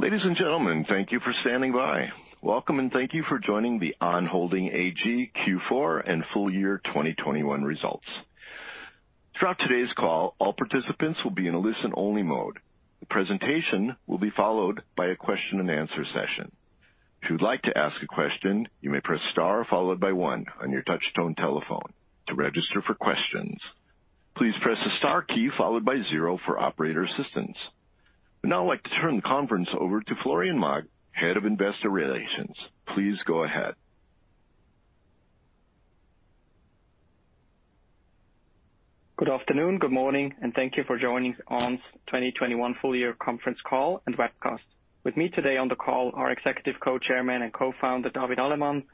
Ladies and gentlemen, thank you for standing by. Welcome and thank you for joining the On Holding AG Q4 and full year 2021 results. Throughout today's call, all participants will be in a listen-only mode. The presentation will be followed by a question-and-answer session. If you would like to ask a question, you may press star followed by one on your touch tone telephone to register for questions. Please press the star key followed by zero for operator assistance. I'd now like to turn the conference over to Florian Maag, Head of Investor Relations. Please go ahead. Good afternoon, good morning, and thank you for joining On's 2021 full year conference call and webcast. With me today on the call are Executive Co-Chairman and Co-Founder, David Allemann,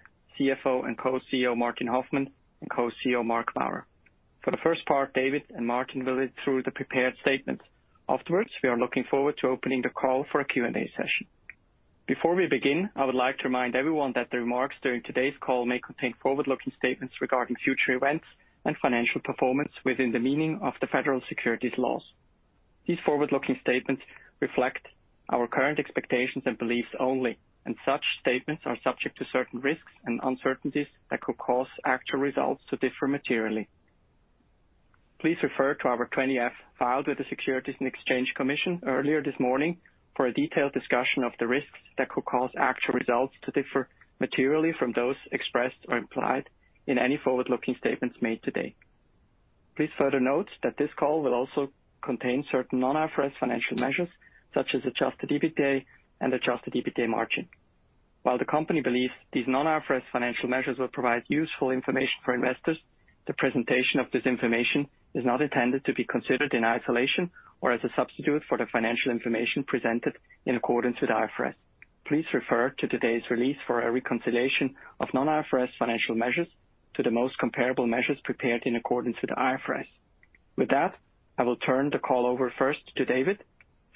CFO and Co-CEO, Martin Hoffmann, and Co-CEO, Marc Maurer. For the first part, David and Martin will read through the prepared statements. Afterwards, we are looking forward to opening the call for a Q&A session. Before we begin, I would like to remind everyone that the remarks during today's call may contain forward-looking statements regarding future events and financial performance within the meaning of the federal securities laws. These forward-looking statements reflect our current expectations and beliefs only, and such statements are subject to certain risks and uncertainties that could cause actual results to differ materially. Please refer to our 20-F filed with the Securities and Exchange Commission earlier this morning for a detailed discussion of the risks that could cause actual results to differ materially from those expressed or implied in any forward-looking statements made today. Please further note that this call will also contain certain non-IFRS financial measures such as adjusted EBITDA and adjusted EBITDA margin. While the company believes these non-IFRS financial measures will provide useful information for investors, the presentation of this information is not intended to be considered in isolation or as a substitute for the financial information presented in accordance with IFRS. Please refer to today's release for a reconciliation of non-IFRS financial measures to the most comparable measures prepared in accordance with the IFRS. With that, I will turn the call over first to David,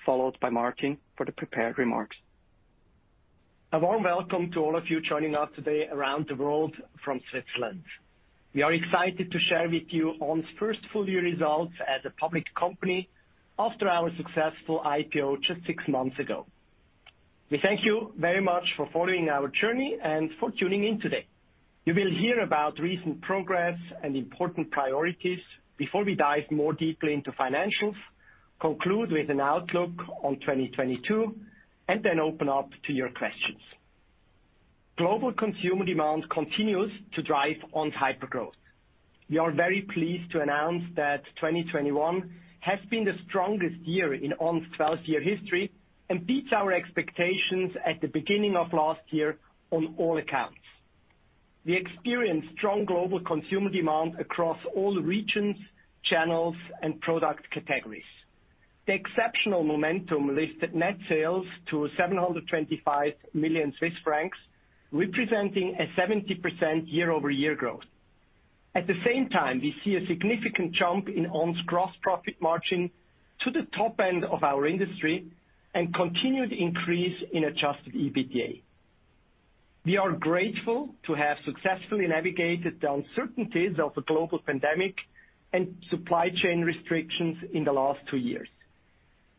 followed by Martin for the prepared remarks. A warm welcome to all of you joining us today around the world from Switzerland. We are excited to share with you On's first full year results as a public company after our successful IPO just six months ago. We thank you very much for following our journey and for tuning in today. You will hear about recent progress and important priorities before we dive more deeply into financials, conclude with an outlook on 2022, and then open up to your questions. Global consumer demand continues to drive On's hypergrowth. We are very pleased to announce that 2021 has been the strongest year in On's 12-year history and beats our expectations at the beginning of last year on all accounts. We experienced strong global consumer demand across all regions, channels, and product categories. The exceptional momentum lifted net sales to 725 million Swiss francs, representing a 70% year-over-year growth. At the same time, we see a significant jump in On's gross profit margin to the top end of our industry and continued increase in adjusted EBITDA. We are grateful to have successfully navigated the uncertainties of the global pandemic and supply chain restrictions in the last two years.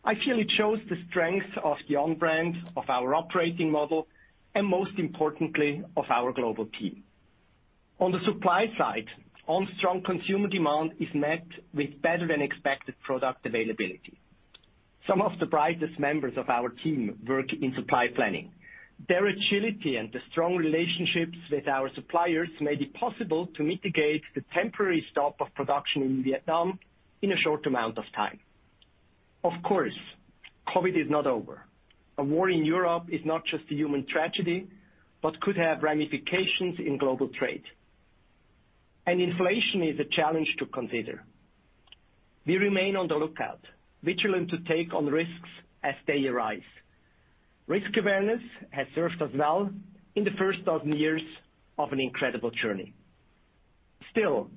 I feel it shows the strength of the On brand, of our operating model, and most importantly, of our global team. On the supply side, On's strong consumer demand is met with better than expected product availability. Some of the brightest members of our team work in supply planning. Their agility and the strong relationships with our suppliers made it possible to mitigate the temporary stop of production in Vietnam in a short amount of time. Of course, COVID is not over. A war in Europe is not just a human tragedy, but could have ramifications in global trade. Inflation is a challenge to consider. We remain on the lookout, vigilant to take on risks as they arise. Risk awareness has served us well in the first 1,000 years of an incredible journey. Still,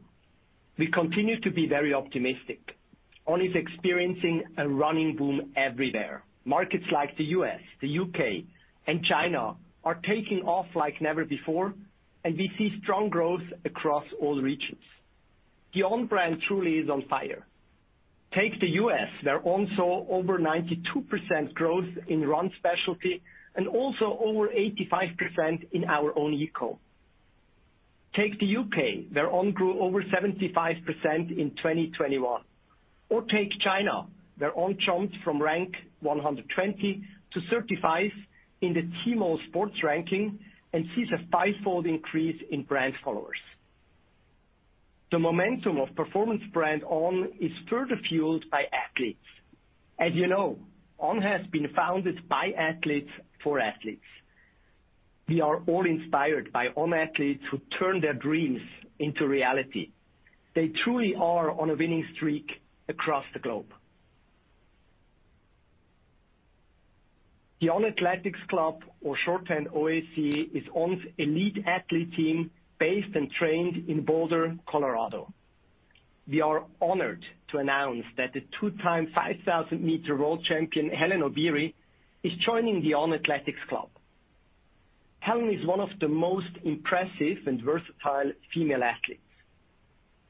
we continue to be very optimistic. On is experiencing a running boom everywhere. Markets like the U.S., the U.K., and China are taking off like never before, and we see strong growth across all regions. The On brand truly is on fire. Take the U.S. where On saw over 92% growth in running specialty and also over 85% in our own e-com. Take the U.K. where On grew over 75% in 2021. Take China, where On jumped from rank 120 to 35 in the Tmall sports ranking and sees a five-fold increase in brand followers. The momentum of performance brand On is further fueled by athletes. As you know, On has been founded by athletes for athletes. We are all inspired by On athletes who turn their dreams into reality. They truly are on a winning streak across the globe. The On Athletics Club or shorthand OAC is On's elite athlete team based and trained in Boulder, Colorado. We are honored to announce that the two-time 5,000-meter world champion Hellen Obiri is joining the On Athletics Club. Hellen is one of the most impressive and versatile female athletes.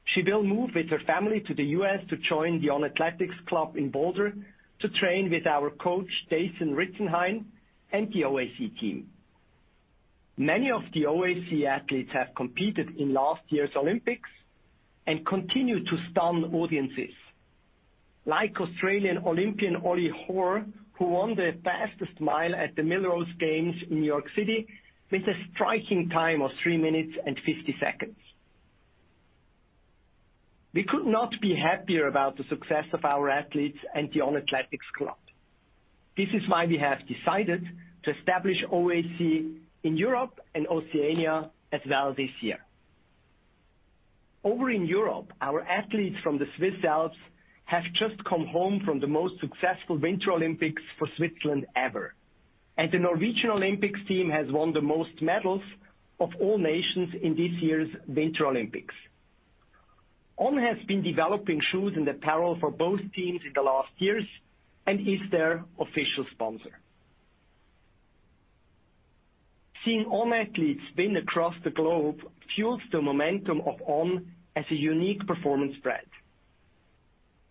She will move with her family to the U.S. to join the On Athletics Club in Boulder to train with our coach, Dathan Ritzenhein, and the OAC team. Many of the OAC athletes have competed in last year's Olympics and continue to stun audiences. Like Australian Olympian Ollie Hoare, who won the fastest mile at the Millrose Games in New York City with a striking time of 3 minutes and 50 seconds. We could not be happier about the success of our athletes and the On Athletics Club. This is why we have decided to establish OAC in Europe and Oceania as well this year. Over in Europe, our athletes from the Swiss Alps have just come home from the most successful Winter Olympics for Switzerland ever. The Norwegian Olympics team has won the most medals of all nations in this year's Winter Olympics. On has been developing shoes and apparel for both teams in the last years and is their official sponsor. Seeing On athletes win across the globe fuels the momentum of On as a unique performance brand.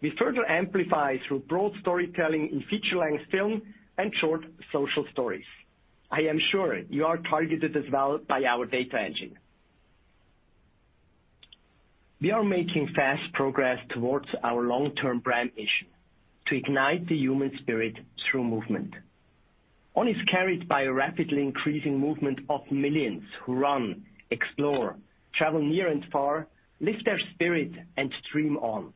We further amplify through broad storytelling in feature-length film and short social stories. I am sure you are targeted as well by our data engine. We are making fast progress towards our long-term brand mission to ignite the human spirit through movement. On is carried by a rapidly increasing movement of millions who run, explore, travel near and far, lift their spirit and Dream On.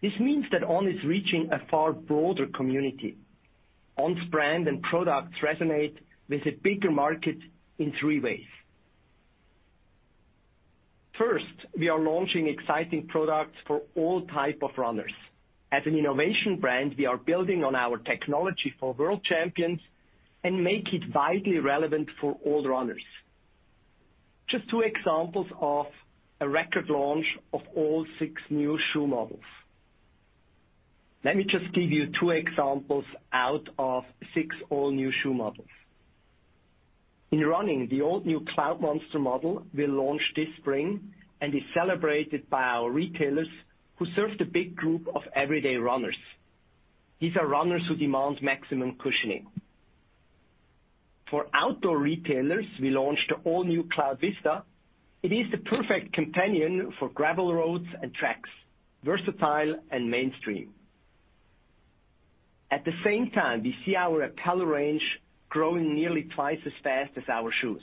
This means that On is reaching a far broader community. On's brand and products resonate with a bigger market in three ways. First, we are launching exciting products for all type of runners. As an innovation brand, we are building on our technology for world champions and make it widely relevant for all runners. Just two examples of a record launch of all six new shoe models. Let me just give you two examples out of six all new shoe models. In running, the all new Cloudmonster model will launch this spring and is celebrated by our retailers who serve the big group of everyday runners. These are runners who demand maximum cushioning. For outdoor retailers, we launched the all new Cloudvista. It is the perfect companion for gravel roads and tracks, versatile and mainstream. At the same time, we see our apparel range growing nearly twice as fast as our shoes.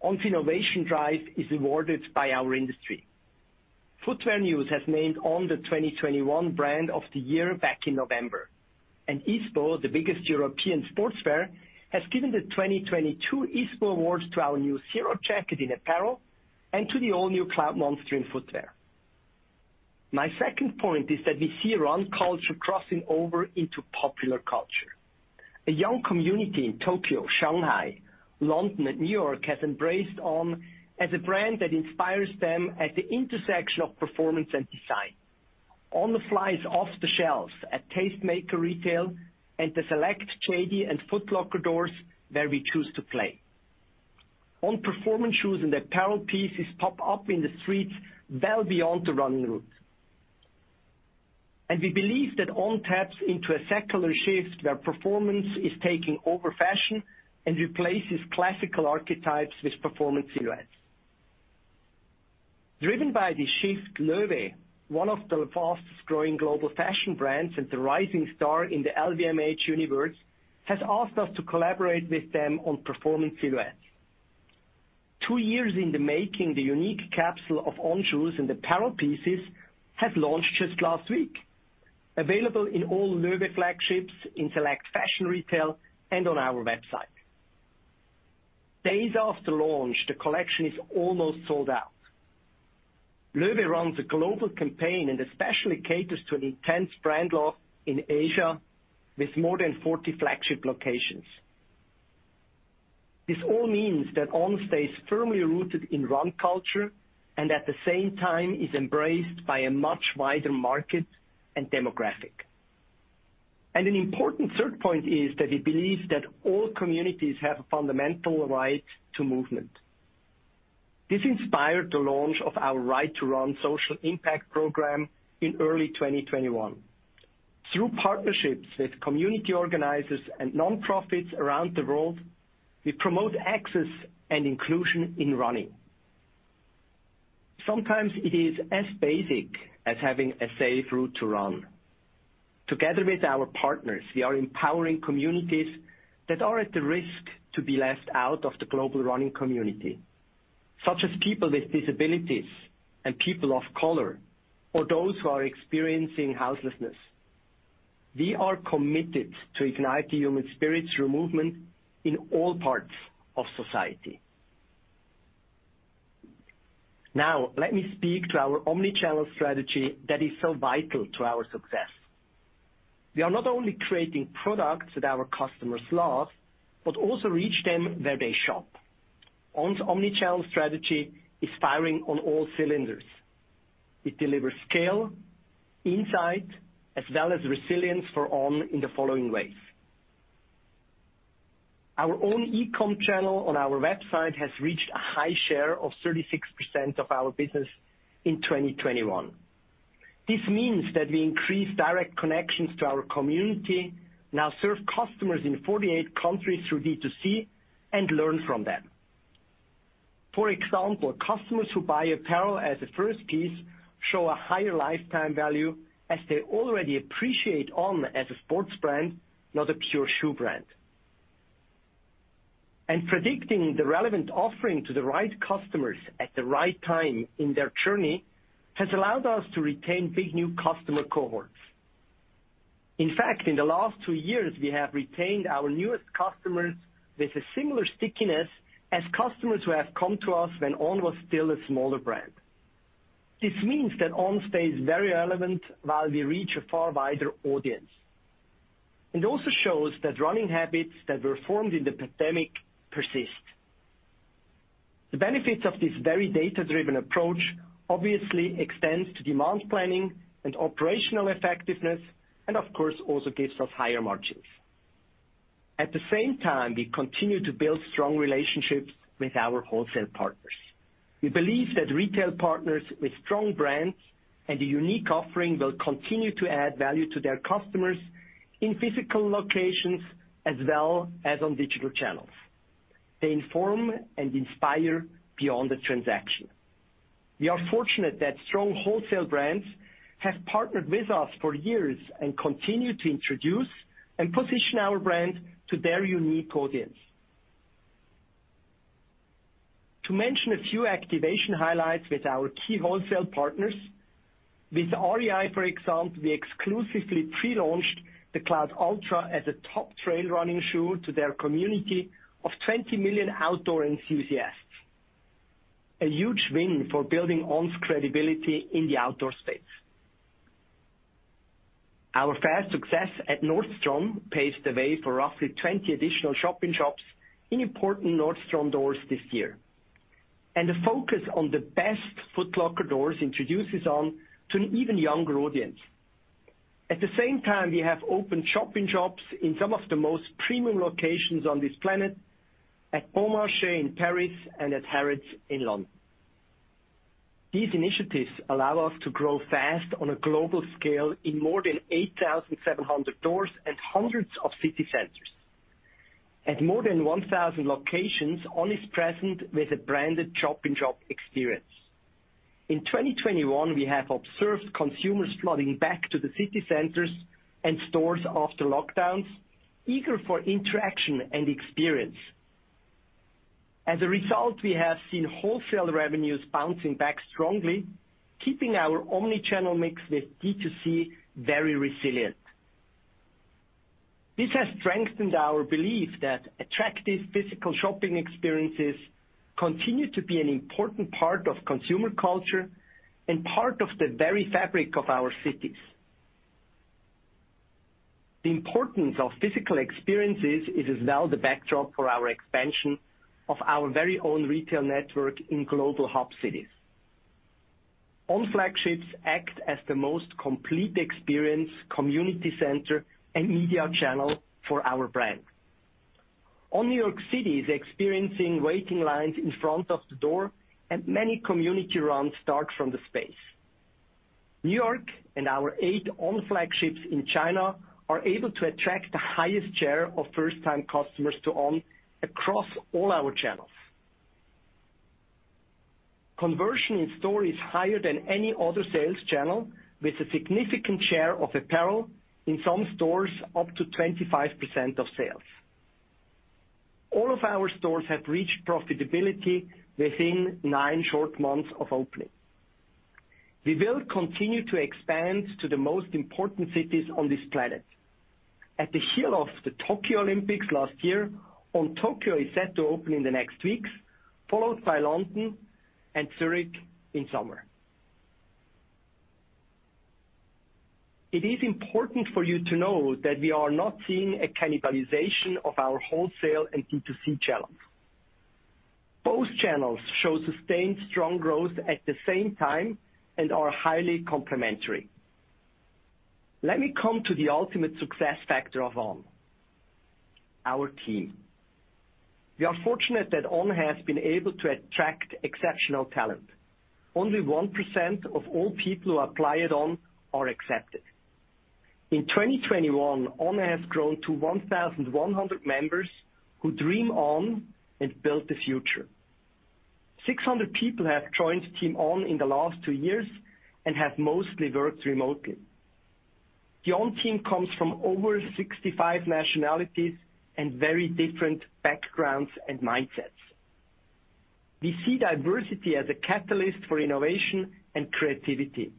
On's innovation drive is awarded by our industry. Footwear News has named On the 2021 Brand of the Year back in November. ISPO, the biggest European sports fair, has given the 2022 ISPO Awards to our new Zero Jacket in apparel and to the all new Cloudmonster in footwear. My second point is that we see run culture crossing over into popular culture. A young community in Tokyo, Shanghai, London and New York has embraced On as a brand that inspires them at the intersection of performance and design. On the fly is off the shelves at Tastemaker Retail and the select JD and Foot Locker doors where we choose to play. On performance shoes and apparel pieces pop up in the streets well beyond the running route. We believe that On taps into a secular shift where performance is taking over fashion and replaces classical archetypes with performance silhouettes. Driven by the shift, LOEWE, one of the fastest-growing global fashion brands and the rising star in the LVMH universe, has asked us to collaborate with them on performance silhouettes. Two years in the making, the unique capsule of On shoes and apparel pieces have launched just last week. Available in all LOEWE flagships, in select fashion retail, and on our website. Days after launch, the collection is almost sold out. LOEWE runs a global campaign and especially caters to an intense brand loyalty in Asia with more than 40 flagship locations. This all means that On stays firmly rooted in run culture and at the same time is embraced by a much wider market and demographic. An important third point is that we believe that all communities have a fundamental right to movement. This inspired the launch of our Right to Run social impact program in early 2021. Through partnerships with community organizers and nonprofits around the world, we promote access and inclusion in running. Sometimes it is as basic as having a safe route to run. Together with our partners, we are empowering communities that are at the risk to be left out of the global running community, such as people with disabilities and people of color, or those who are experiencing homelessness. We are committed to ignite the human spirit through movement in all parts of society. Now, let me speak to our omnichannel strategy that is so vital to our success. We are not only creating products that our customers love, but also reach them where they shop. On's omnichannel strategy is firing on all cylinders. It delivers scale, insight, as well as resilience for On in the following ways. Our own e-com channel on our website has reached a high share of 36% of our business in 2021. This means that we increase direct connections to our community, now serve customers in 48 countries through D2C and learn from them. For example, customers who buy apparel as a first piece show a higher lifetime value as they already appreciate On as a sports brand, not a pure shoe brand. Predicting the relevant offering to the right customers at the right time in their journey has allowed us to retain big new customer cohorts. In fact, in the last two years, we have retained our newest customers with a similar stickiness as customers who have come to us when On was still a smaller brand. This means that On stays very relevant while we reach a far wider audience. It also shows that running habits that were formed in the pandemic persist. The benefits of this very data-driven approach obviously extends to demand planning and operational effectiveness and of course, also gives us higher margins. At the same time, we continue to build strong relationships with our wholesale partners. We believe that retail partners with strong brands and a unique offering will continue to add value to their customers in physical locations as well as on digital channels. They inform and inspire beyond the transaction. We are fortunate that strong wholesale brands have partnered with us for years and continue to introduce and position our brand to their unique audience. To mention a few activation highlights with our key wholesale partners, with REI, for example, we exclusively pre-launched the Cloudultra as a top trail running shoe to their community of 20 million outdoor enthusiasts. A huge win for building On's credibility in the outdoor space. Our fair success at Nordstrom paves the way for roughly 20 additional shop-in-shops in important Nordstrom doors this year. A focus on the best Foot Locker doors introduces On to an even younger audience. At the same time, we have opened shop-in-shops in some of the most premium locations on this planet at Le Bon Marché in Paris and at Harrods in London. These initiatives allow us to grow fast on a global scale in more than 8,700 doors and hundreds of city centers. At more than 1,000 locations, ON is present with a branded shop-in-shop experience. In 2021, we have observed consumers flooding back to the city centers and stores after lockdowns, eager for interaction and experience. As a result, we have seen wholesale revenues bouncing back strongly, keeping our omni-channel mix with D2C very resilient. This has strengthened our belief that attractive physical shopping experiences continue to be an important part of consumer culture and part of the very fabric of our cities. The importance of physical experiences is as well the backdrop for our expansion of our very own retail network in global hub cities. On flagships act as the most complete experience community center and media channel for our brand. On New York City is experiencing waiting lines in front of the door, and many community runs start from the space. New York and our eight On flagships in China are able to attract the highest share of first-time customers to On across all our channels. Conversion in store is higher than any other sales channel with a significant share of apparel. In some stores, up to 25% of sales. All of our stores have reached profitability within nine short months of opening. We will continue to expand to the most important cities on this planet. At the heel of the Tokyo Olympics last year, On Tokyo is set to open in the next weeks, followed by London and Zurich in summer. It is important for you to know that we are not seeing a cannibalization of our wholesale and D2C channels. Both channels show sustained strong growth at the same time and are highly complementary. Let me come to the ultimate success factor of On, our team. We are fortunate that On has been able to attract exceptional talent. Only 1% of all people who apply at On are accepted. In 2021, On has grown to 1,100 members who dream On and build the future. 600 people have joined Team On in the last two years and have mostly worked remotely. The On team comes from over 65 nationalities and very different backgrounds and mindsets. We see diversity as a catalyst for innovation and creativity.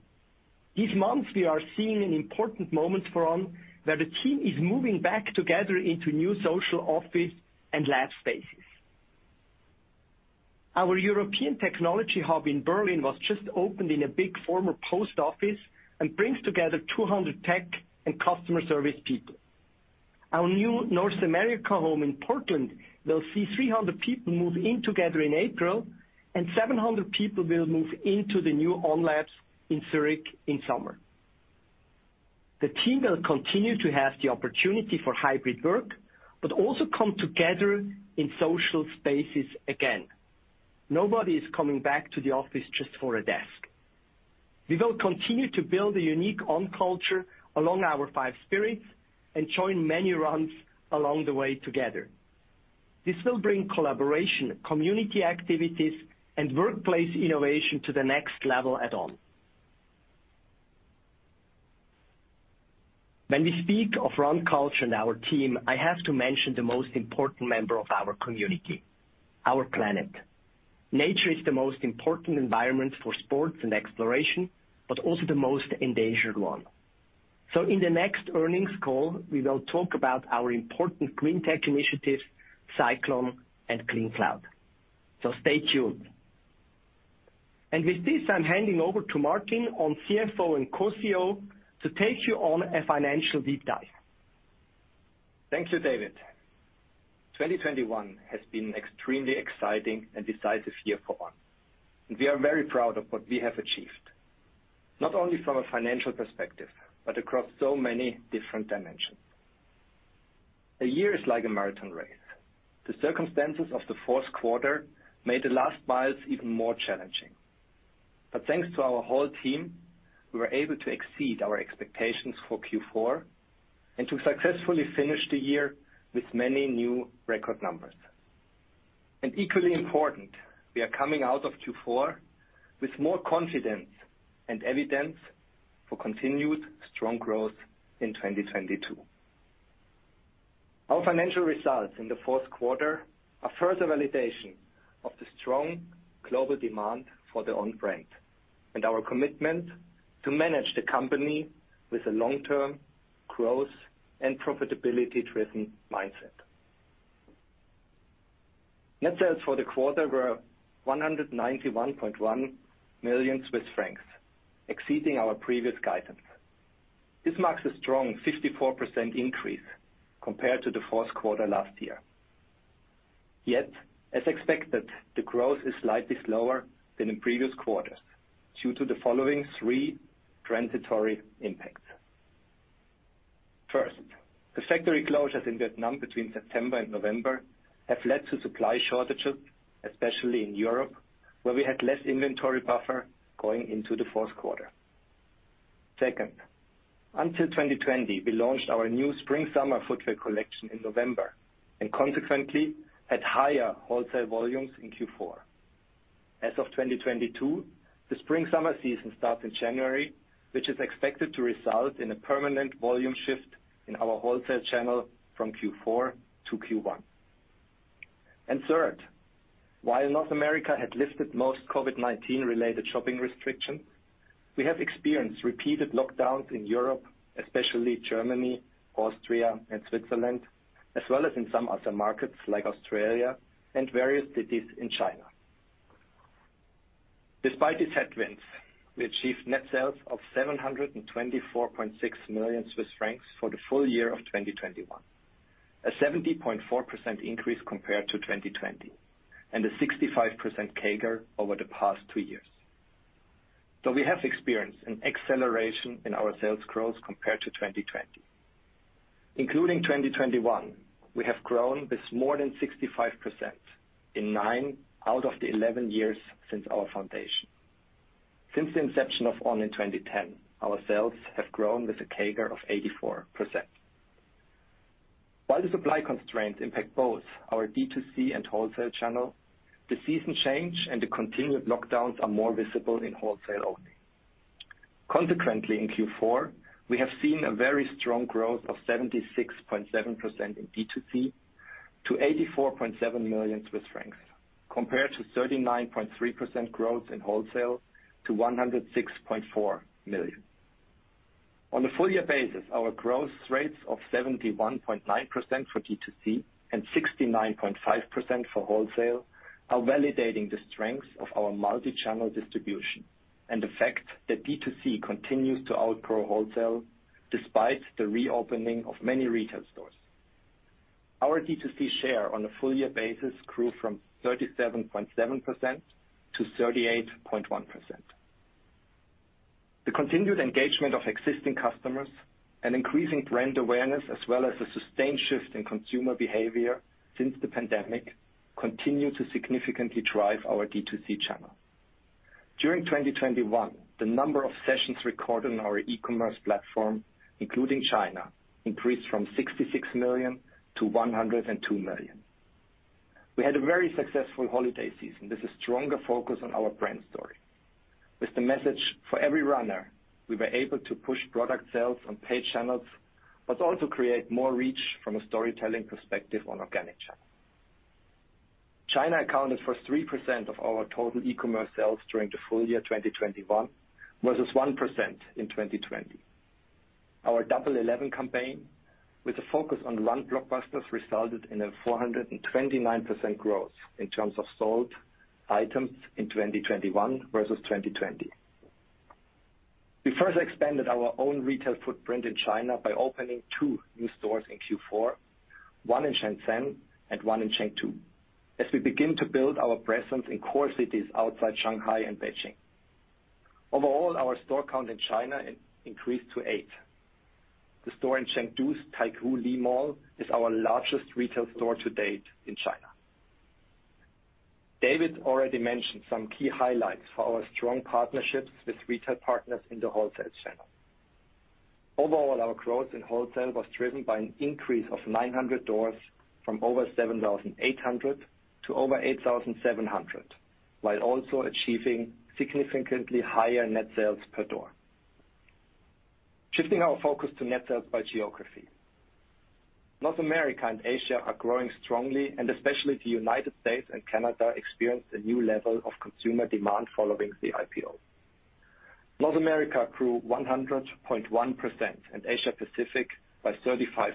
This month, we are seeing an important moment for On, where the team is moving back together into new social office and lab spaces. Our European technology hub in Berlin was just opened in a big former post office and brings together 200 tech and customer service people. Our new North America home in Portland will see 300 people move in together in April, and 700 people will move into the new On labs in Zurich in summer. The team will continue to have the opportunity for hybrid work, but also come together in social spaces again. Nobody is coming back to the office just for a desk. We will continue to build a unique On culture along our five spirits and join many runs along the way together. This will bring collaboration, community activities, and workplace innovation to the next level at On. When we speak of run culture and our team, I have to mention the most important member of our community, our planet. Nature is the most important environment for sports and exploration, but also the most endangered one. In the next earnings call, we will talk about our important green tech initiatives, Cyclon and CleanCloud. Stay tuned. With this, I'm handing over to Martin, our CFO and Co-CEO, to take you on a financial deep dive. Thank you, David. 2021 has been an extremely exciting and decisive year for On, and we are very proud of what we have achieved, not only from a financial perspective, but across so many different dimensions. A year is like a marathon race. The circumstances of the fourth quarter made the last miles even more challenging. Thanks to our whole team, we were able to exceed our expectations for Q4 and to successfully finish the year with many new record numbers. Equally important, we are coming out of Q4 with more confidence and evidence for continued strong growth in 2022. Our financial results in the fourth quarter are further validation of the strong global demand for the On brand and our commitment to manage the company with a long-term growth and profitability-driven mindset. Net sales for the quarter were 191.1 million Swiss francs, exceeding our previous guidance. This marks a strong 54% increase compared to the fourth quarter last year. Yet, as expected, the growth is slightly slower than in previous quarters due to the following three transitory impacts. First, the factory closures in Vietnam between September and November have led to supply shortages, especially in Europe, where we had less inventory buffer going into the fourth quarter. Second, until 2020, we launched our new spring/summer footwear collection in November and consequently had higher wholesale volumes in Q4. As of 2022, the spring/summer season starts in January, which is expected to result in a permanent volume shift in our wholesale channel from Q4 to Q1. Third, while North America had lifted most COVID-19 related shopping restrictions, we have experienced repeated lockdowns in Europe, especially Germany, Austria, and Switzerland, as well as in some other markets like Australia and various cities in China. Despite these headwinds, we achieved net sales of 724.6 million Swiss francs for the full year of 2021, a 70.4% increase compared to 2020 and a 65% CAGR over the past two years. We have experienced an acceleration in our sales growth compared to 2020. Including 2021, we have grown this more than 65% in nine out of the 11 years since our foundation. Since the inception of On in 2010, our sales have grown with a CAGR of 84%. While the supply constraints impact both our D2C and wholesale channel, the season change and the continued lockdowns are more visible in wholesale only. Consequently, in Q4, we have seen a very strong growth of 76.7% in D2C to 84.7 million Swiss francs compared to 39.3% growth in wholesale to 106.4 million. On a full year basis, our growth rates of 71.9% for D2C and 69.5% for wholesale are validating the strength of our multichannel distribution and the fact that D2C continues to outgrow wholesale despite the reopening of many retail stores. Our D2C share on a full year basis grew from 37.7% to 38.1%. The continued engagement of existing customers and increasing brand awareness, as well as a sustained shift in consumer behavior since the pandemic, continue to significantly drive our D2C channel. During 2021, the number of sessions recorded on our e-commerce platform, including China, increased from 66 million to 102 million. We had a very successful holiday season with a stronger focus on our brand story. With the message for every runner, we were able to push product sales on paid channels, but also create more reach from a storytelling perspective on organic channels. China accounted for 3% of our total e-commerce sales during the full year 2021 versus 1% in 2020. Our Double 11 campaign, with a focus on run blockbusters, resulted in a 429% growth in terms of sold items in 2021 versus 2020. We first expanded our own retail footprint in China by opening two new stores in Q4, one in Shenzhen and one in Chengdu, as we begin to build our presence in core cities outside Shanghai and Beijing. Overall, our store count in China increased to eight. The store in Chengdu Taikoo Li Mall is our largest retail store to date in China. David already mentioned some key highlights for our strong partnerships with retail partners in the wholesale channel. Overall, our growth in wholesale was driven by an increase of 900 doors from over 7,800 to over 8,700, while also achieving significantly higher net sales per door. Shifting our focus to net sales by geography. North America and Asia are growing strongly, and especially the United States and Canada experienced a new level of consumer demand following the IPO. North America grew 100.1% and Asia Pacific by 35%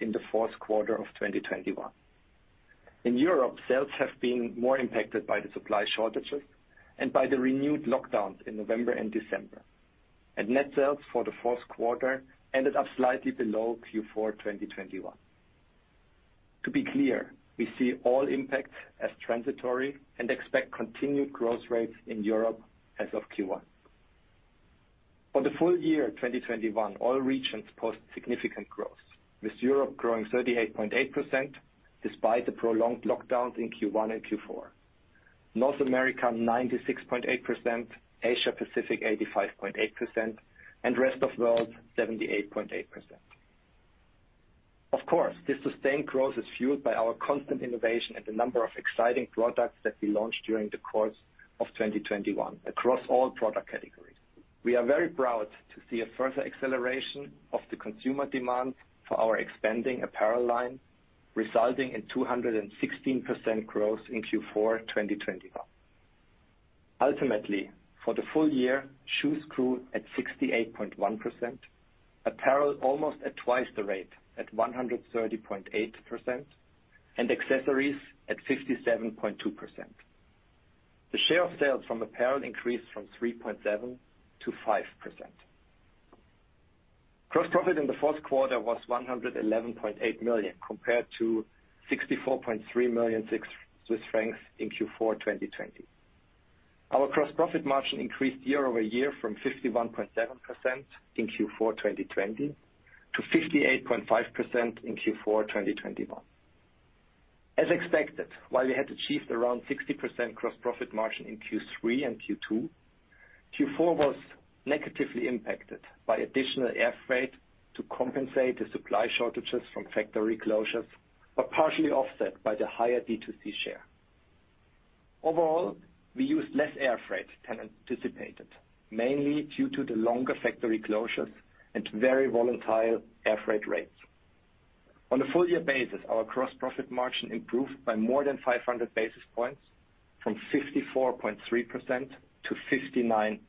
in the fourth quarter of 2021. In Europe, sales have been more impacted by the supply shortages and by the renewed lockdowns in November and December. Net sales for the fourth quarter ended up slightly below Q4 2021. To be clear, we see all impacts as transitory and expect continued growth rates in Europe as of Q1. For the full year 2021, all regions posted significant growth, with Europe growing 38.8% despite the prolonged lockdowns in Q1 and Q4. North America, 96.8%, Asia Pacific, 85.8%, and rest of world, 78.8%. Of course, this sustained growth is fueled by our constant innovation and the number of exciting products that we launched during the course of 2021 across all product categories. We are very proud to see a further acceleration of the consumer demand for our expanding apparel line, resulting in 216% growth in Q4 2021. Ultimately, for the full year, shoes grew at 68.1%, apparel almost at twice the rate at 130.8%, and accessories at 57.2%. The share of sales from apparel increased from 3.7% to 5%. Gross profit in the fourth quarter was 111.8 million, compared to 64.3 million Swiss francs in Q4 2020. Our gross profit margin increased year over year from 51.7% in Q4 2020 to 58.5% in Q4 2021. As expected, while we had achieved around 60% gross profit margin in Q3 and Q2, Q4 was negatively impacted by additional air freight to compensate the supply shortages from factory closures, but partially offset by the higher D2C share. Overall, we used less air freight than anticipated, mainly due to the longer factory closures and very volatile air freight rates. On a full year basis, our gross profit margin improved by more than 500 basis points from 54.3% to 59.4%.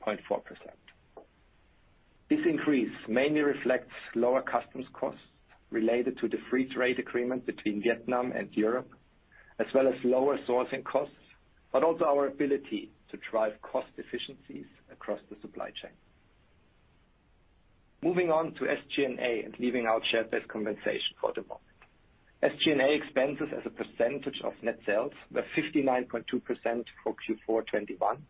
This increase mainly reflects lower customs costs related to the free trade agreement between Vietnam and Europe, as well as lower sourcing costs, but also our ability to drive cost efficiencies across the supply chain. Moving on to SG&A and leaving out share-based compensation for the moment. SG&A expenses as a percentage of net sales were 59.2% for Q4 2021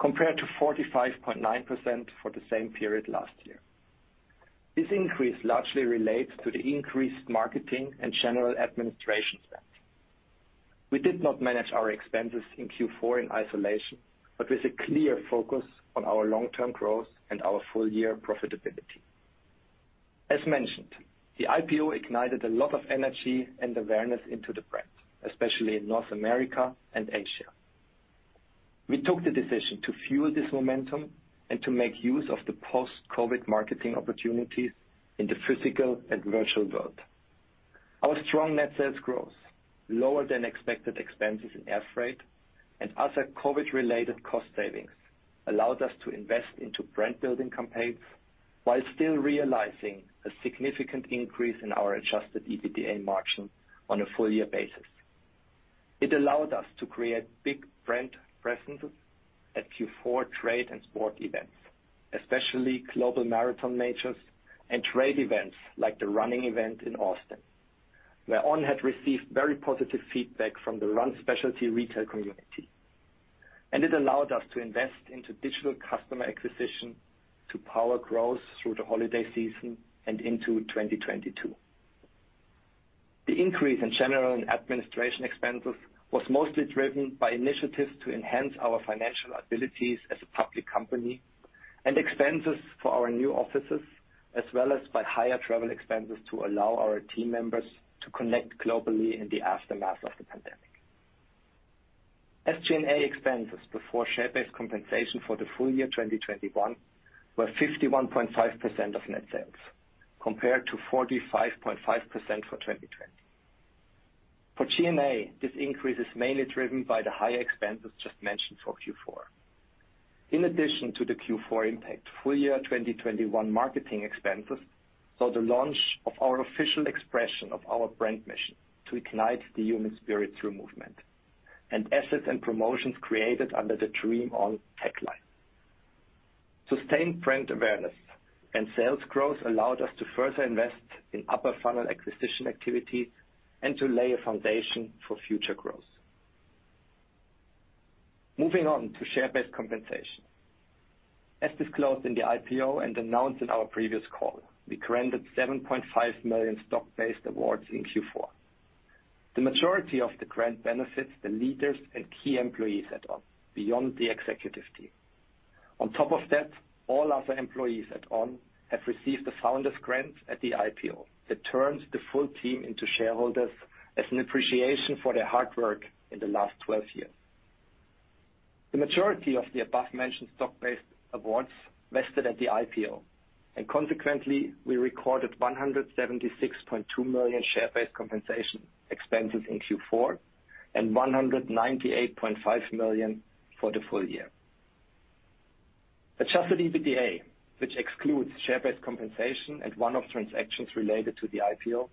compared to 45.9% for the same period last year. This increase largely relates to the increased marketing and general administration spend. We did not manage our expenses in Q4 in isolation, but with a clear focus on our long-term growth and our full year profitability. As mentioned, the IPO ignited a lot of energy and awareness into the brand, especially in North America and Asia. We took the decision to fuel this momentum and to make use of the post-COVID marketing opportunities in the physical and virtual world. Our strong net sales growth, lower than expected expenses in air freight and other COVID-19 related cost savings allowed us to invest into brand building campaigns while still realizing a significant increase in our adjusted EBITDA margin on a full year basis. It allowed us to create big brand presence at Q4 trade and sport events, especially global marathon majors and trade events like the running event in Austin, where On had received very positive feedback from the run specialty retail community. It allowed us to invest into digital customer acquisition to power growth through the holiday season and into 2022. The increase in general and administration expenses was mostly driven by initiatives to enhance our financial abilities as a public company and expenses for our new offices, as well as by higher travel expenses to allow our team members to connect globally in the aftermath of the pandemic. SG&A expenses before share-based compensation for the full year 2021 were 51.5% of net sales compared to 45.5% for 2020. For G&A, this increase is mainly driven by the higher expenses just mentioned for Q4. In addition to the Q4 impact, full year 2021 marketing expenses saw the launch of our official expression of our brand mission to ignite the human spirit through movement. Assets and promotions created under the Dream On tagline. Sustained brand awareness and sales growth allowed us to further invest in upper funnel acquisition activities and to lay a foundation for future growth. Moving on to share-based compensation. As disclosed in the IPO and announced in our previous call, we granted 7.5 million stock-based awards in Q4. The majority of the grant benefits the leaders and key employees at On, beyond the executive team. On top of that, all other employees at On have received the founders grants at the IPO that turns the full team into shareholders as an appreciation for their hard work in the last 12 years. The majority of the above-mentioned stock-based awards vested at the IPO, and consequently, we recorded 176.2 million share-based compensation expenses in Q4, and 198.5 million for the full year. Adjusted EBITDA, which excludes share-based compensation and one-off transactions related to the IPO,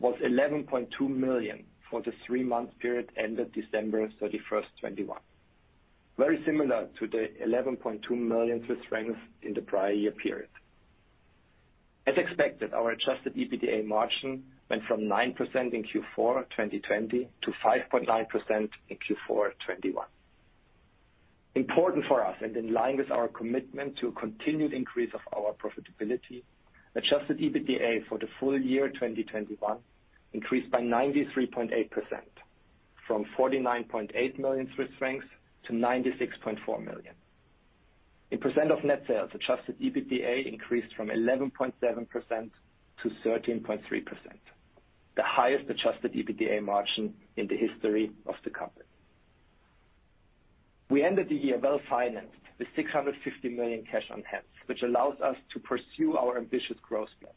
was 11.2 million for the three-month period ended December 31st, 2021. Very similar to the 11.2 million Swiss francs in the prior year period. As expected, our adjusted EBITDA margin went from 9% in Q4 2020 to 5.9% in Q4 2021. Important for us and in line with our commitment to continued increase of our profitability, adjusted EBITDA for the full year 2021 increased by 93.8% from 49.8 million-96.4 million Swiss francs. In percent of net sales, adjusted EBITDA increased from 11.7%-13.3%, the highest adjusted EBITDA margin in the history of the company. We ended the year well-financed with 650 million cash on hand, which allows us to pursue our ambitious growth plans.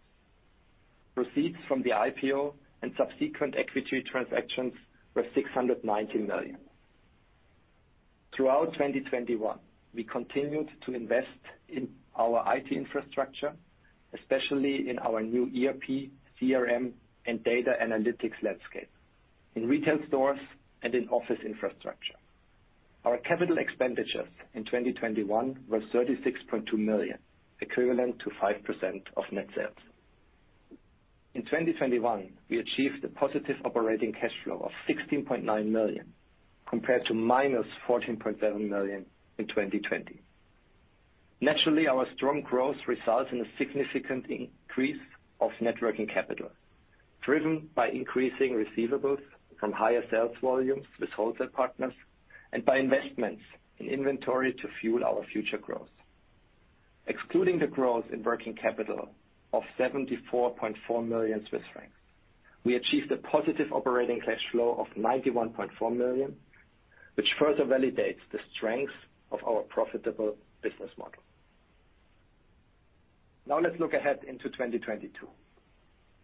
Proceeds from the IPO and subsequent equity transactions were 619 million. Throughout 2021, we continued to invest in our IT infrastructure, especially in our new ERP, CRM, and data analytics landscape, in retail stores and in office infrastructure. Our capital expenditures in 2021 were 36.2 million, equivalent to 5% of net sales. In 2021, we achieved a positive operating cash flow of 16.9 million, compared to -14.7 million in 2020. Naturally, our strong growth results in a significant increase of net working capital, driven by increasing receivables from higher sales volumes with wholesale partners and by investments in inventory to fuel our future growth. Excluding the growth in working capital of 74.4 million Swiss francs, we achieved a positive operating cash flow of 91.4 million, which further validates the strength of our profitable business model. Now let's look ahead into 2022.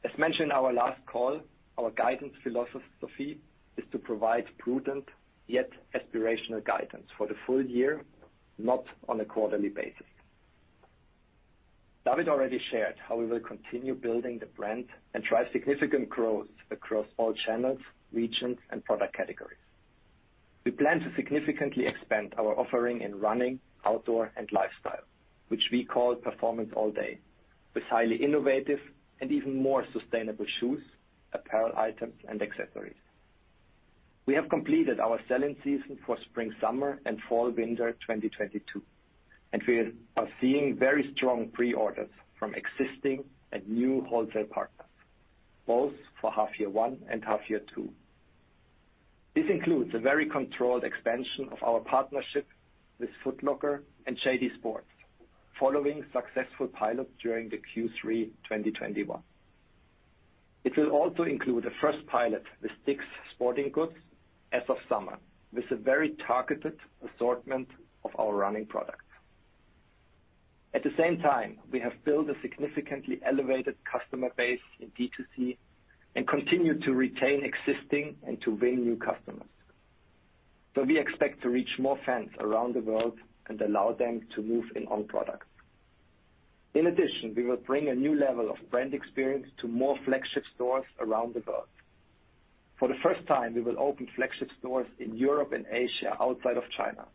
As mentioned in our last call, our guidance philosophy is to provide prudent, yet aspirational guidance for the full year, not on a quarterly basis. David already shared how we will continue building the brand and drive significant growth across all channels, regions, and product categories. We plan to significantly expand our offering in running, outdoor, and lifestyle, which we call Performance All Day, with highly innovative and even more sustainable shoes, apparel items, and accessories. We have completed our selling season for spring/summer and fall/winter 2022, and we are seeing very strong pre-orders from existing and new wholesale partners, both for half year one and half year two. This includes a very controlled expansion of our partnership with Foot Locker and JD Sports following successful pilot during the Q3 2021. It will also include a first pilot with Dick's Sporting Goods as of summer, with a very targeted assortment of our running products. At the same time, we have built a significantly elevated customer base in D2C and continue to retain existing and to win new customers. We expect to reach more fans around the world and allow them to move into On products. In addition, we will bring a new level of brand experience to more flagship stores around the world. For the first time, we will open flagship stores in Europe and Asia outside of China,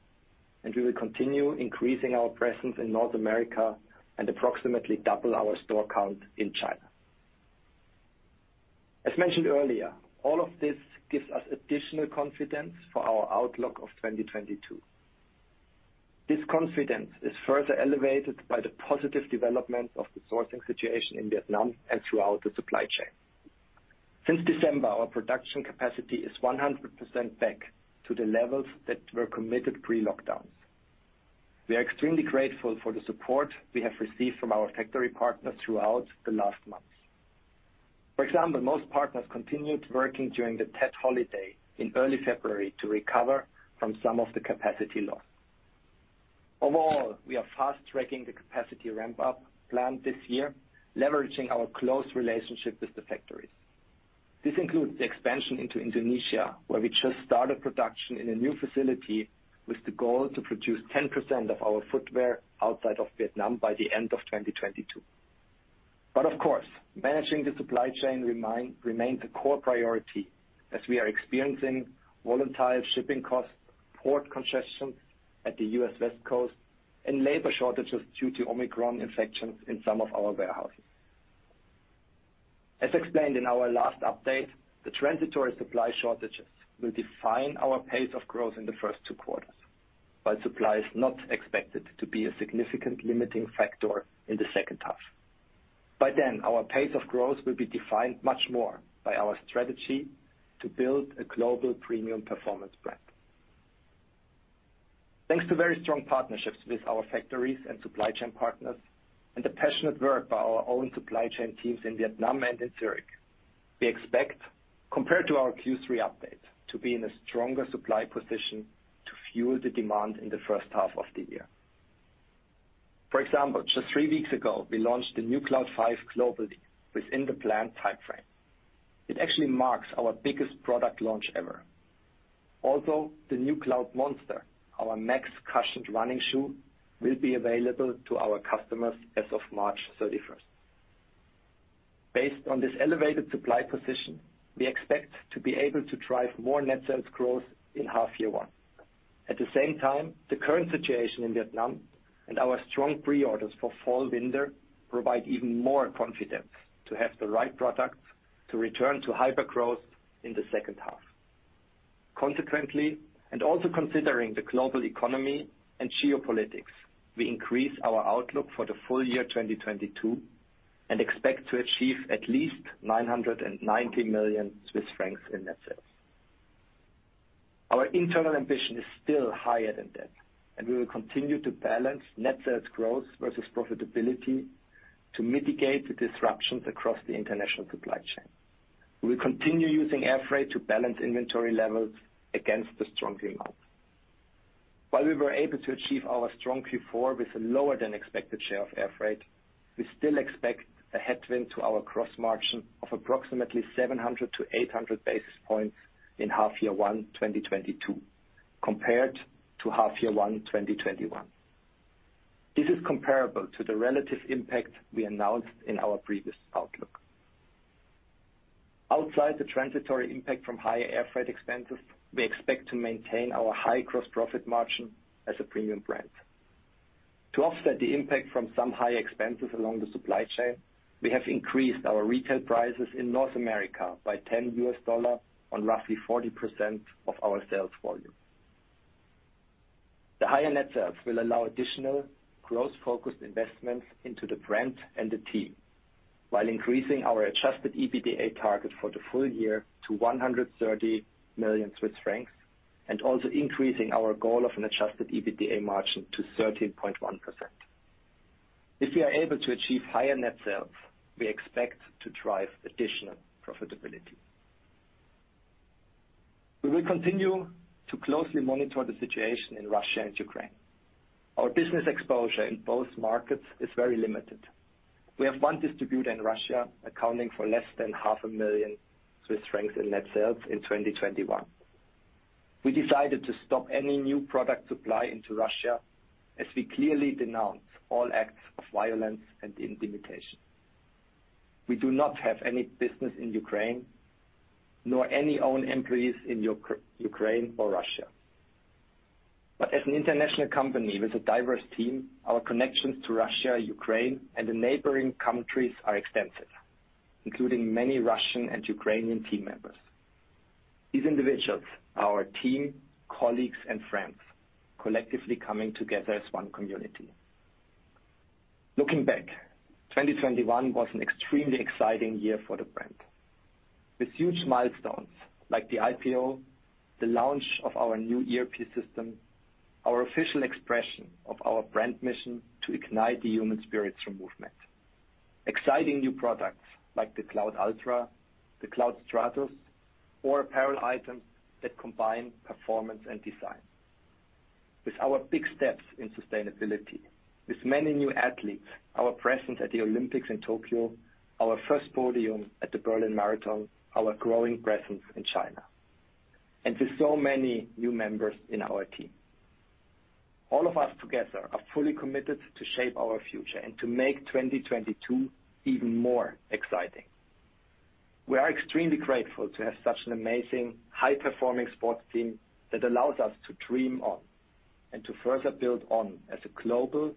and we will continue increasing our presence in North America and approximately double our store count in China. As mentioned earlier, all of this gives us additional confidence for our outlook of 2022. This confidence is further elevated by the positive development of the sourcing situation in Vietnam and throughout the supply chain. Since December, our production capacity is 100% back to the levels that were committed pre-lockdown. We are extremely grateful for the support we have received from our factory partners throughout the last months. For example, most partners continued working during the Tet holiday in early February to recover from some of the capacity loss. Overall, we are fast-tracking the capacity ramp-up plan this year, leveraging our close relationship with the factories. This includes the expansion into Indonesia, where we just started production in a new facility with the goal to produce 10% of our footwear outside of Vietnam by the end of 2022. Of course, managing the supply chain remains a core priority as we are experiencing volatile shipping costs, port congestions at the U.S. West Coast, and labor shortages due to Omicron infections in some of our warehouses. As explained in our last update, the transitory supply shortages will define our pace of growth in the first two quarters, while supply is not expected to be a significant limiting factor in the second half. By then, our pace of growth will be defined much more by our strategy to build a global premium performance brand. Thanks to very strong partnerships with our factories and supply chain partners and the passionate work by our own supply chain teams in Vietnam and in Zurich, we expect, compared to our Q3 update, to be in a stronger supply position to fuel the demand in the first half of the year. For example, just three weeks ago, we launched the new Cloud 5 globally within the planned timeframe. It actually marks our biggest product launch ever. Also, the new Cloudmonster, our max cushioned running shoe, will be available to our customers as of March 31. Based on this elevated supply position, we expect to be able to drive more net sales growth in half year 1. At the same time, the current situation in Vietnam and our strong pre-orders for fall/winter provide even more confidence to have the right products to return to hypergrowth in the second half. Consequently, and also considering the global economy and geopolitics, we increase our outlook for the full year 2022 and expect to achieve at least 990 million Swiss francs in net sales. Our internal ambition is still higher than that, and we will continue to balance net sales growth versus profitability to mitigate the disruptions across the international supply chain. We will continue using air freight to balance inventory levels against the strong demand. While we were able to achieve our strong Q4 with a lower than expected share of air freight, we still expect a headwind to our gross margin of approximately 700-800 basis points in H1 2022 compared to H1 2021. This is comparable to the relative impact we announced in our previous outlook. Outside the transitory impact from higher air freight expenses, we expect to maintain our high gross profit margin as a premium brand. To offset the impact from some high expenses along the supply chain, we have increased our retail prices in North America by $10 on roughly 40% of our sales volume. The higher net sales will allow additional growth-focused investments into the brand and the team, while increasing our adjusted EBITDA target for the full year to 130 million Swiss francs, and also increasing our goal of an adjusted EBITDA margin to 13.1%. If we are able to achieve higher net sales, we expect to drive additional profitability. We will continue to closely monitor the situation in Russia and Ukraine. Our business exposure in both markets is very limited. We have one distributor in Russia accounting for less than half a million CHF in net sales in 2021. We decided to stop any new product supply into Russia as we clearly denounce all acts of violence and intimidation. We do not have any business in Ukraine, nor any own employees in Ukraine or Russia. As an international company with a diverse team, our connections to Russia, Ukraine, and the neighboring countries are extensive, including many Russian and Ukrainian team members. These individuals, our team, colleagues and friends, collectively coming together as one community. Looking back, 2021 was an extremely exciting year for the brand. With huge milestones like the IPO, the launch of our new ERP system, our official expression of our brand mission to ignite the human spirit through movement, exciting new products like the Cloudultra, the Cloudstratus, or apparel items that combine performance and design. With our big steps in sustainability, with many new athletes, our presence at the Olympics in Tokyo, our first podium at the Berlin Marathon, our growing presence in China, and to so many new members in our team. All of us together are fully committed to shape our future and to make 2022 even more exciting. We are extremely grateful to have such an amazing high-performing sports team that allows us to Dream On and to further build on as a global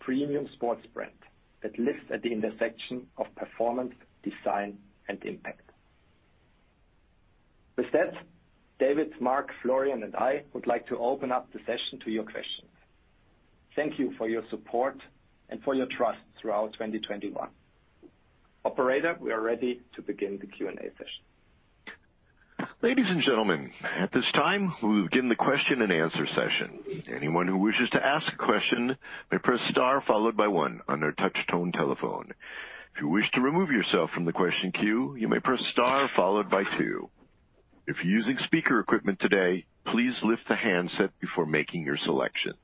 premium sports brand that lives at the intersection of performance, design and impact. With that, David, Marc, Florian, and I would like to open up the session to your questions. Thank you for your support and for your trust throughout 2021. Operator, we are ready to begin the Q&A session. Ladies and gentlemen, at this time, we will begin the question-and-answer session. Anyone who wishes to ask a question may press star followed by one on their touch-tone telephone. If you wish to remove yourself from the question queue, you may press star followed by two. If you're using speaker equipment today, please lift the handset before making your selections.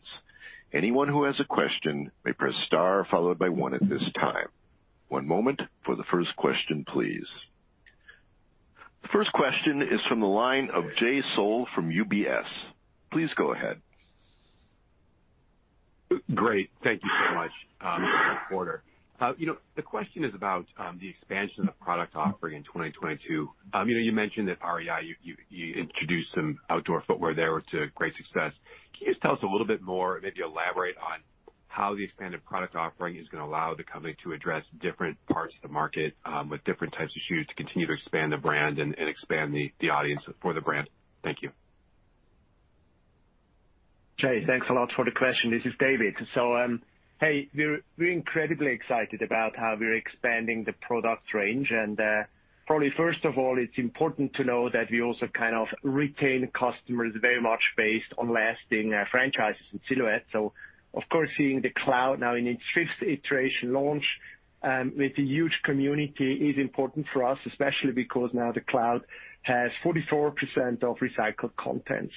Anyone who has a question may press star followed by one at this time. One moment for the first question, please. The first question is from the line of Jay Sole from UBS. Please go ahead. Great. Thank you so much, operator. You know, the question is about the expansion of product offering in 2022. You know, you mentioned that REI, you introduced some outdoor footwear there to great success. Can you just tell us a little bit more, maybe elaborate on how the expanded product offering is gonna allow the company to address different parts of the market, with different types of shoes to continue to expand the brand and expand the audience for the brand? Thank you. Jay, thanks a lot for the question. This is David. Hey, we're incredibly excited about how we're expanding the product range. Probably first of all, it's important to know that we also kind of retain customers very much based on lasting franchises and silhouettes. Of course, seeing the Cloud now in its fifth iteration launch with a huge community is important for us, especially because now the Cloud has 44% of recycled content.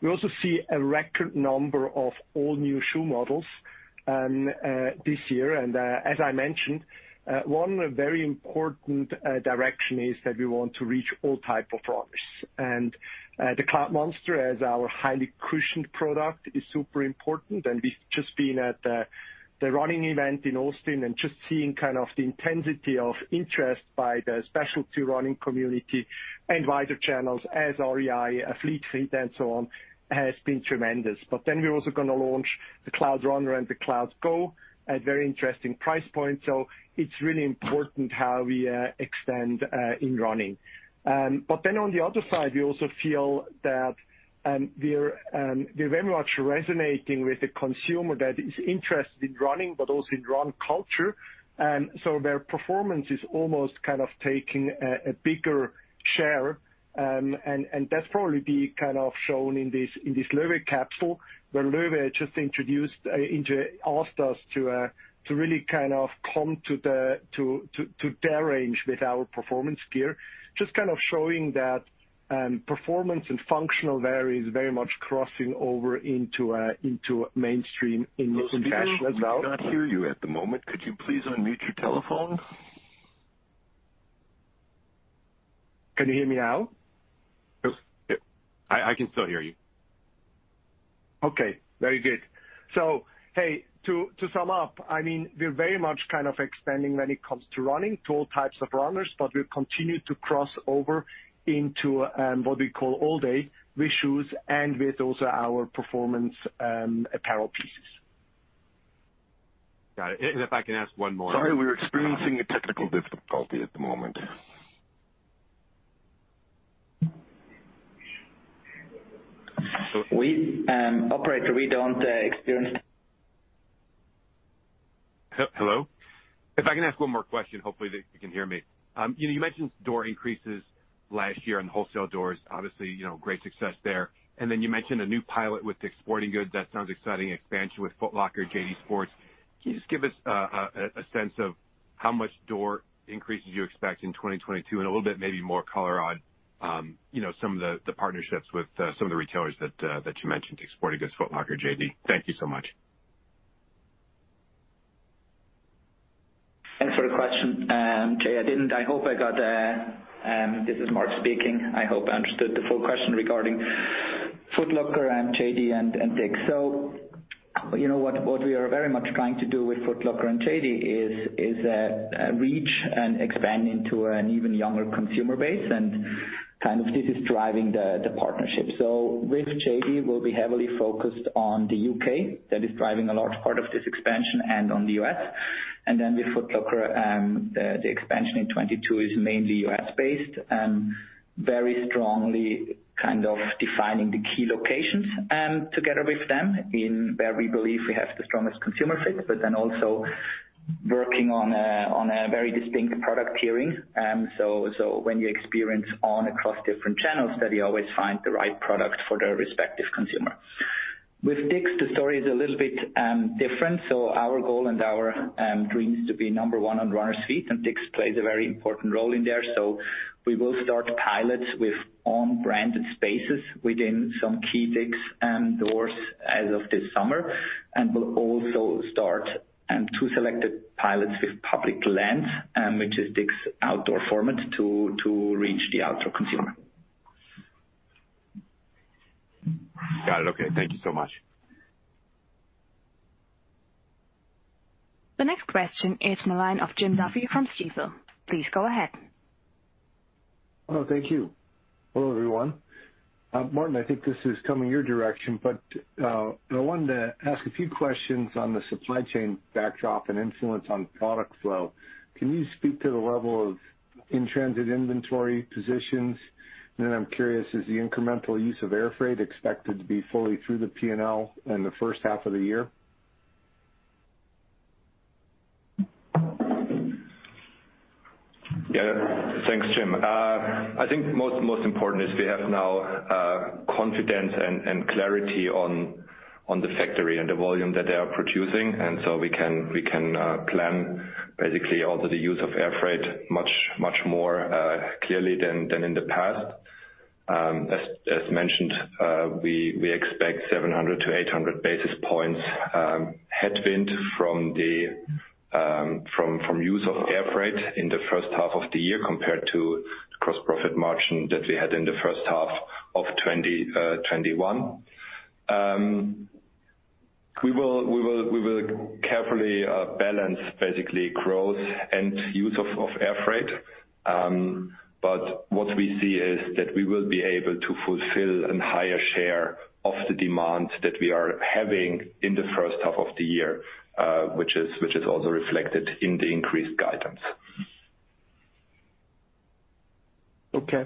We also see a record number of all new shoe models this year. As I mentioned, one very important direction is that we want to reach all type of runners. The Cloudmonster as our highly cushioned product is super important, and we've just been at the running event in Austin and just seeing kind of the intensity of interest by the specialty running community and wider channels as REI, Fleet Feet and so on, has been tremendous. We're also gonna launch the Cloudrunner and the Cloudgo at very interesting price points. It's really important how we extend in running. On the other side, we also feel that we're very much resonating with the consumer that is interested in running, but also in run culture. Their performance is almost kind of taking a bigger share, and that's probably be kind of shown in this LOEWE capsule where LOEWE just asked us to really kind of come to their range with our performance gear, just kind of showing that performance and functional wear is very much crossing over into mainstream in the fashion as well. We cannot hear you at the moment. Could you please unmute your telephone? Can you hear me out? Yep. I can still hear you. Okay, very good. Hey, to sum up, I mean, we're very much kind of expanding when it comes to running to all types of runners, but we continue to cross over into what we call all day with shoes and with also our performance apparel pieces. Got it. If I can ask one more- Sorry, we're experiencing a technical difficulty at the moment. Operator, we don't experience. Hello? If I can ask one more question, hopefully that you can hear me. You know, you mentioned door increases last year and wholesale doors, obviously, you know, great success there. Then you mentioned a new pilot with Dick's Sporting Goods. That sounds exciting. Expansion with Foot Locker, JD Sports. Can you just give us a sense of how much door increases you expect in 2022 and a little bit maybe more color on, you know, some of the partnerships with some of the retailers that you mentioned, Dick's Sporting Goods, Foot Locker, JD. Thank you so much. Thanks for the question, Jay. This is Marc speaking. I hope I understood the full question regarding Foot Locker and JD Sports and Dick's. You know, what we are very much trying to do with Foot Locker and JD Sports is reach and expand into an even younger consumer base and kind of this is driving the partnership. With JD Sports, we'll be heavily focused on the U.K. That is driving a large part of this expansion and on the U.S. Then with Foot Locker, the expansion in 2022 is mainly U.S.-based, very strongly kind of defining the key locations together with them in where we believe we have the strongest consumer fit, but then also working on a very distinct product tiering. When you experience On across different channels that you always find the right product for the respective consumer. With Dick's, the story is a little bit different. Our goal and our dream is to be number one on runner's feet, and Dick's plays a very important role in there. We will start pilots with own branded spaces within some key Dick's doors as of this summer. We'll also start two selected pilots with Public Lands, which is Dick's outdoor format to reach the outdoor consumer. Got it. Okay, thank you so much. The next question is from the line of Jim Duffy from Stifel. Please go ahead. Oh, thank you. Hello, everyone. Martin, I think this is coming your direction, but I wanted to ask a few questions on the supply chain backdrop and influence on product flow. Can you speak to the level of in-transit inventory positions? And then I'm curious, is the incremental use of air freight expected to be fully through the P&L in the first half of the year? Yeah. Thanks, Jim. I think most important is we have now confidence and clarity on the factory and the volume that they are producing, and so we can plan basically also the use of air freight much more clearly than in the past. As mentioned, we expect 700-800 basis points headwind from the use of air freight in the first half of the year compared to gross profit margin that we had in the first half of 2021. We will carefully balance basically growth and use of air freight. What we see is that we will be able to fulfill a higher share of the demand that we are having in the first half of the year, which is also reflected in the increased guidance. Okay.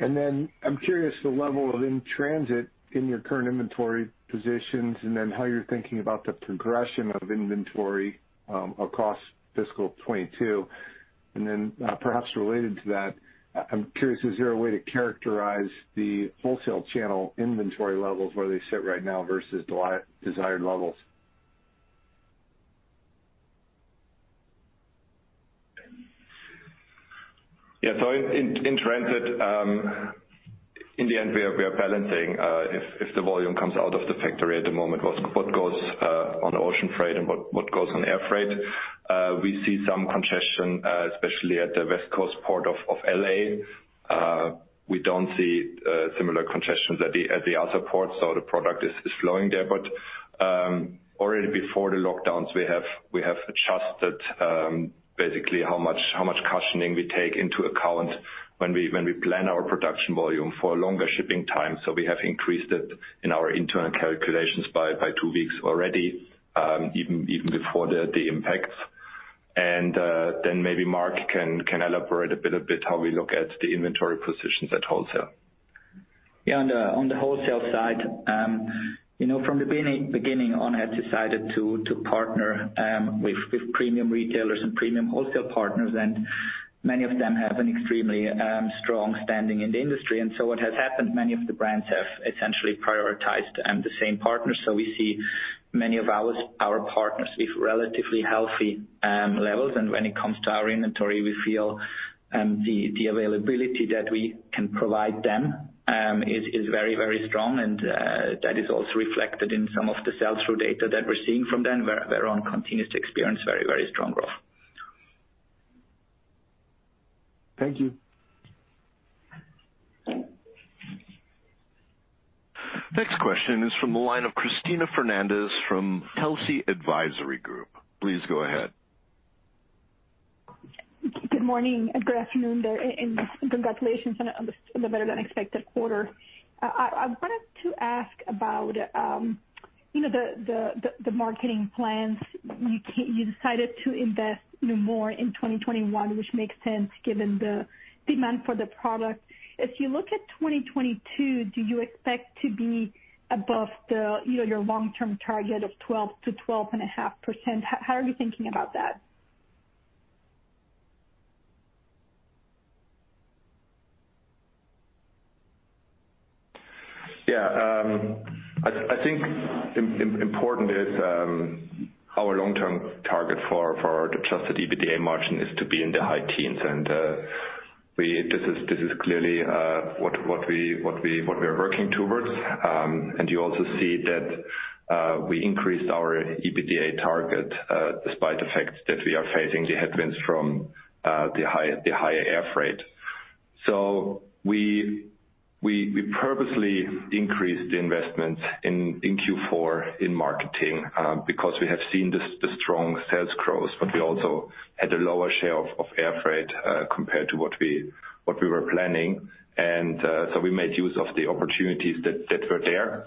I'm curious the level of in-transit in your current inventory positions and then how you're thinking about the progression of inventory across fiscal 2022. Perhaps related to that, I'm curious, is there a way to characterize the wholesale channel inventory levels where they sit right now versus desired levels? In transit, in the end, we are balancing if the volume comes out of the factory at the moment, what goes on ocean freight and what goes on air freight. We see some congestion, especially at the West Coast port of L.A. We don't see similar congestions at the other ports, so the product is flowing there. Already before the lockdowns, we have adjusted basically how much cushioning we take into account when we plan our production volume for longer shipping time. We have increased it in our internal calculations by two weeks already, even before the impacts. Maybe Marc can elaborate a bit how we look at the inventory positions at wholesale. On the wholesale side, from the beginning On has decided to partner with premium retailers and premium wholesale partners, and many of them have an extremely strong standing in the industry. What has happened is many of the brands have essentially prioritized the same partners. We see many of our partners with relatively healthy levels. When it comes to our inventory, we feel the availability that we can provide them is very, very strong and that is also reflected in some of the sell-through data that we're seeing from them where On continues to experience very, very strong growth. Thank you. Next question is from the line of Cristina Fernández from Telsey Advisory Group. Please go ahead. Good morning and good afternoon there, and congratulations on a better than expected quarter. I wanted to ask about the marketing plans. You decided to invest more in 2021, which makes sense given the demand for the product. If you look at 2022, do you expect to be above your long-term target of 12%-12.5%? How are you thinking about that? Yeah. I think it's important our long-term target for the adjusted EBITDA margin is to be in the high teens. This is clearly what we are working towards. You also see that we increased our EBITDA target despite the fact that we are facing the headwinds from the higher air freight. We purposely increased the investments in Q4 in marketing because we have seen the strong sales growth, but we also had a lower share of air freight compared to what we were planning. We made use of the opportunities that were there.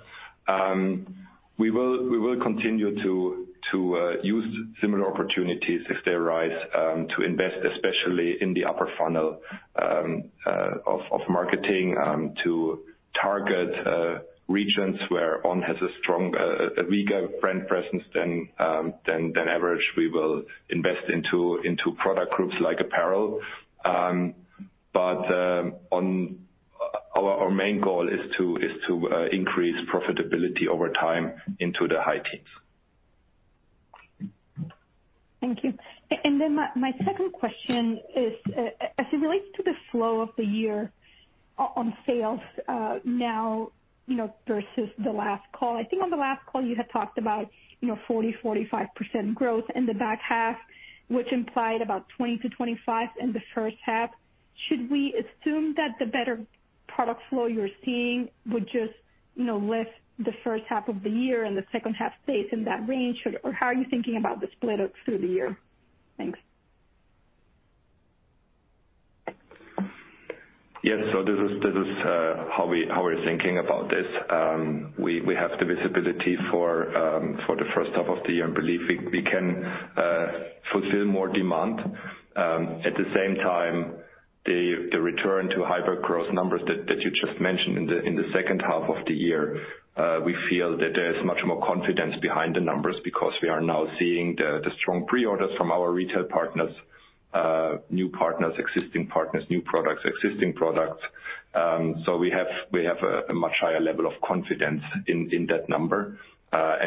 We will continue to use similar opportunities if they arise to invest, especially in the upper funnel of marketing, to target regions where On has a weaker brand presence than average. We will invest into product groups like apparel. Our main goal is to increase profitability over time into the high teens. Thank you. My second question is, as it relates to the flow of the year on sales, now, you know, versus the last call. I think on the last call you had talked about, you know, 40%-45% growth in the back half, which implied about 20%-25% in the first half. Should we assume that the better product flow you're seeing would just lift the first half of the year and the second half stays in that range? How are you thinking about the split through the year? Thanks. Yes. This is how we're thinking about this. We have the visibility for the first half of the year and believe we can fulfill more demand. At the same time, the return to hyper growth numbers that you just mentioned in the second half of the year, we feel that there is much more confidence behind the numbers because we are now seeing the strong pre-orders from our retail partners, new partners, existing partners, new products, existing products. We have a much higher level of confidence in that number.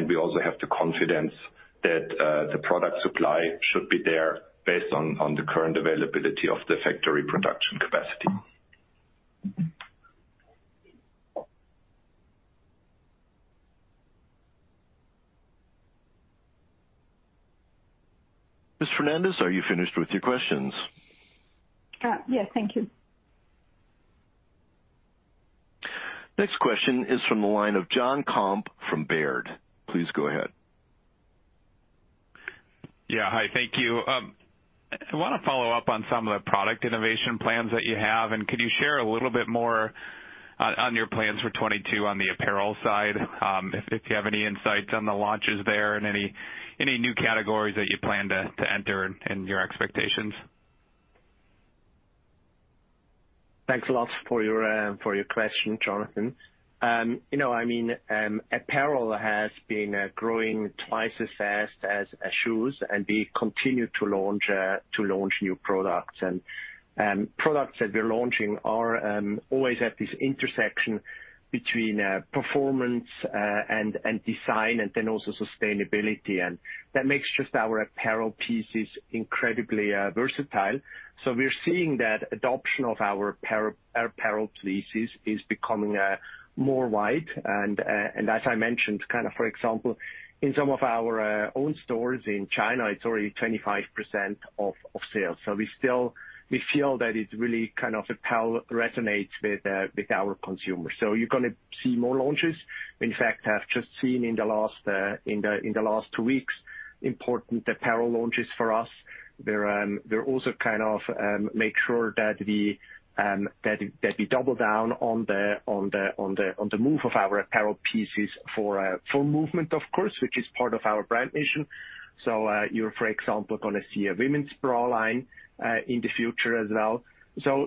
We also have the confidence that the product supply should be there based on the current availability of the factory production capacity. Ms. Fernández, are you finished with your questions? Yes, thank you. Next question is from the line of Jon Komp from Baird. Please go ahead. Yeah. Hi. Thank you. I wanna follow up on some of the product innovation plans that you have, and could you share a little bit more on your plans for 2022 on the apparel side, if you have any insights on the launches there and any new categories that you plan to enter and your expectations? Thanks a lot for your question, Jonathan. You know, I mean, apparel has been growing twice as fast as shoes, and we continue to launch new products. Products that we're launching are always at this intersection between performance and design and then also sustainability. That makes just our apparel pieces incredibly versatile. We're seeing that adoption of our apparel pieces is becoming more widespread. As I mentioned, kind of, for example, in some of our own stores in China, it's already 25% of sales. We feel that apparel really kind of resonates with our consumers. You're gonna see more launches. In fact, we have just seen in the last two weeks important apparel launches for us. They're also kind of making sure that we double down on the move of our apparel pieces for movement, of course, which is part of our brand mission. You're, for example, gonna see a women's bra line in the future as well.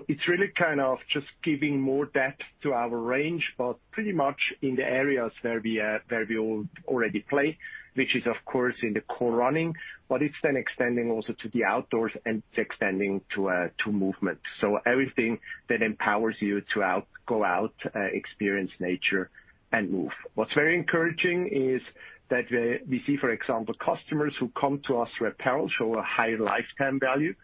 It's really kind of just giving more depth to our range, but pretty much in the areas where we already play, which is of course in the core running, but it's then extending also to the outdoors and extending to movement. Everything that empowers you to go out, experience nature and move. What's very encouraging is that we see, for example, customers who come to us through apparel show a higher lifetime value.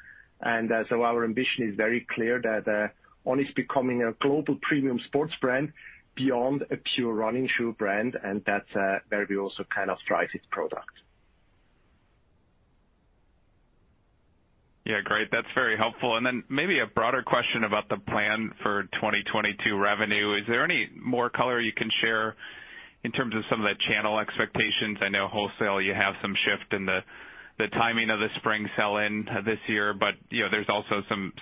Our ambition is very clear that On is becoming a global premium sports brand beyond a pure running shoe brand, and that's where we also kind of drive this product. Yeah. Great. That's very helpful. Maybe a broader question about the plan for 2022 revenue. Is there any more color you can share in terms of some of the channel expectations? I know wholesale you have some shift in the timing of the spring sell-in, this year, but you know, there's also some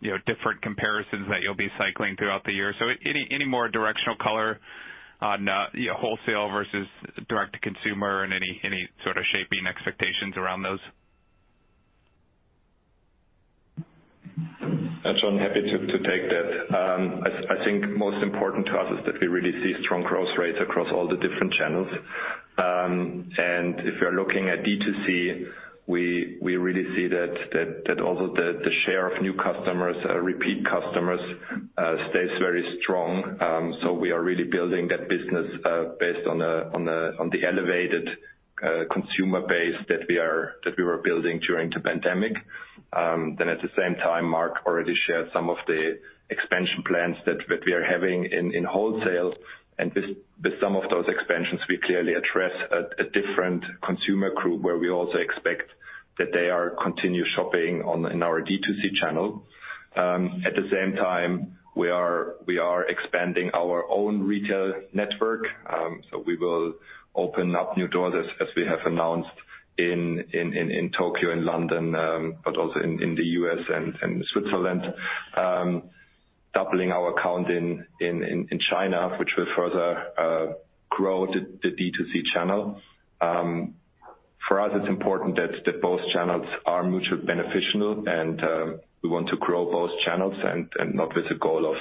you know, different comparisons that you'll be cycling throughout the year. Any more directional color on, you know, wholesale versus direct to consumer and any sort of shaping expectations around those? Jon, happy to take that. I think most important to us is that we really see strong growth rates across all the different channels. If you're looking at D2C, we really see that also the share of new customers, repeat customers, stays very strong. We are really building that business based on the elevated consumer base that we were building during the pandemic. At the same time, Marc already shared some of the expansion plans that we are having in wholesale. With some of those expansions, we clearly address a different consumer group where we also expect that they are continue shopping in our D2C channel. At the same time, we are expanding our own retail network, so we will open up new doors as we have announced in Tokyo and London, but also in the U.S. and Switzerland, doubling our count in China, which will further grow the D2C channel. For us, it's important that both channels are mutually beneficial and we want to grow both channels and not with the goal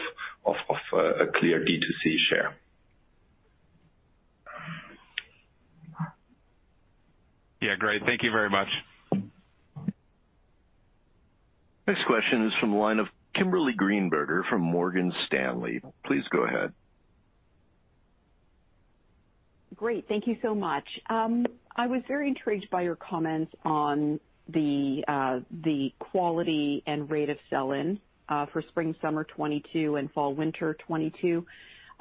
of a clear D2C share. Yeah. Great. Thank you very much. Next question is from the line of Kimberly Greenberger from Morgan Stanley. Please go ahead. Great. Thank you so much. I was very intrigued by your comments on the quality and rate of sell-in for spring/summer 2022 and fall/winter 2022.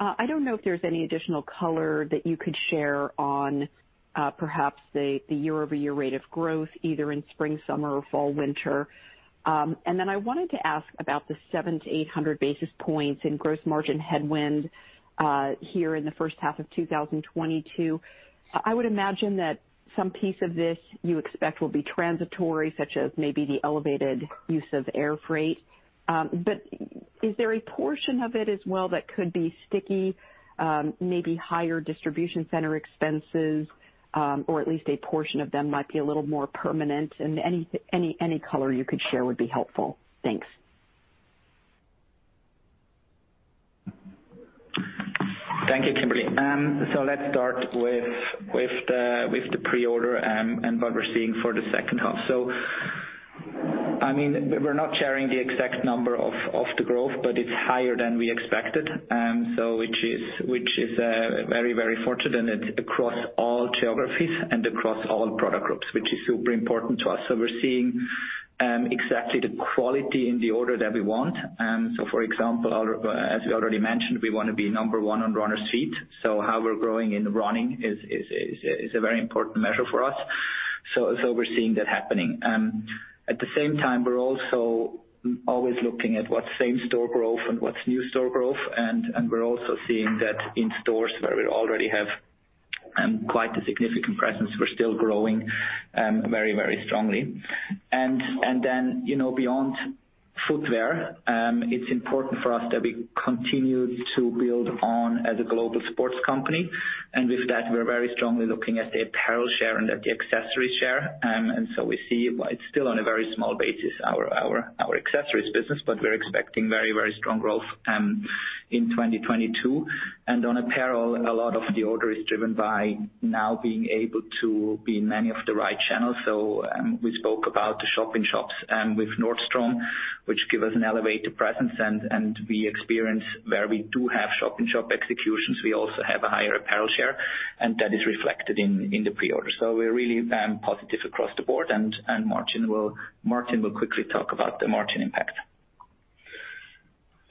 I don't know if there's any additional color that you could share on perhaps the year-over-year rate of growth, either in spring/summer or fall/winter. I wanted to ask about the 700-800 basis points in gross margin headwind here in the first half of 2022. I would imagine that some piece of this you expect will be transitory, such as maybe the elevated use of air freight. Is there a portion of it as well that could be sticky, maybe higher distribution center expenses, or at least a portion of them might be a little more permanent? Any color you could share would be helpful. Thanks. Thank you, Kimberly. Let's start with the pre-order and what we're seeing for the second half. I mean, we're not sharing the exact number of the growth, but it's higher than we expected, which is very fortunate, and it's across all geographies and across all product groups, which is super important to us. We're seeing Exactly the quality in the order that we want. For example, as we already mentioned, we wanna be number one on runner's feet. How we're growing in running is a very important measure for us. We're seeing that happening. At the same time, we're also always looking at what's same-store growth and what's new-store growth. We're also seeing that in stores where we already have quite a significant presence, we're still growing very strongly. You know, beyond footwear, it's important for us that we continue to build on as a global sports company, and with that, we're very strongly looking at the apparel share and at the accessory share. We see it, but it's still on a very small basis, our accessories business. We're expecting very, very strong growth in 2022. On apparel, a lot of the order is driven by now being able to be in many of the right channels. We spoke about the shop-in-shops with Nordstrom, which give us an elevated presence, and we experience where we do have shop-in-shop executions. We also have a higher apparel share, and that is reflected in the pre-order. We're really positive across the board and margin will quickly talk about the margin impact.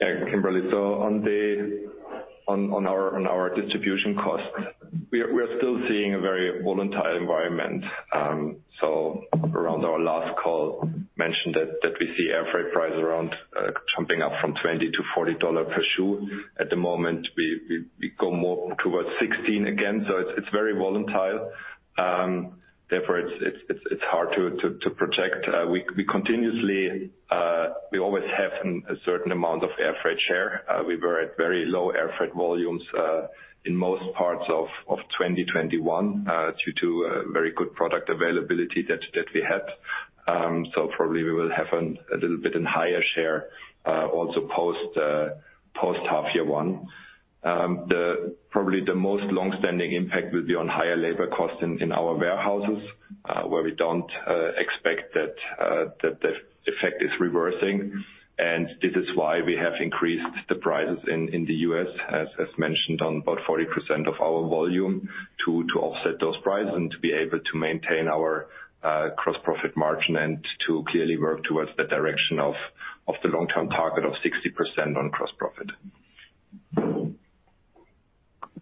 Kimberly, on our distribution costs, we are still seeing a very volatile environment. Around our last call, we mentioned that we see air freight price around jumping up from $20-$40 per shoe. At the moment, we go more towards $16 again. It's very volatile. Therefore it's hard to project. We continuously always have a certain amount of air freight share. We were at very low air freight volumes in most parts of 2021 due to very good product availability that we had. Probably we will have a little bit higher share also post half year one. Probably the most long-standing impact will be on higher labor costs in our warehouses, where we don't expect that the effect is reversing. This is why we have increased the prices in the U.S., as mentioned on about 40% of our volume to offset those prices and to be able to maintain our gross profit margin and to clearly work towards the direction of the long-term target of 60% on gross profit.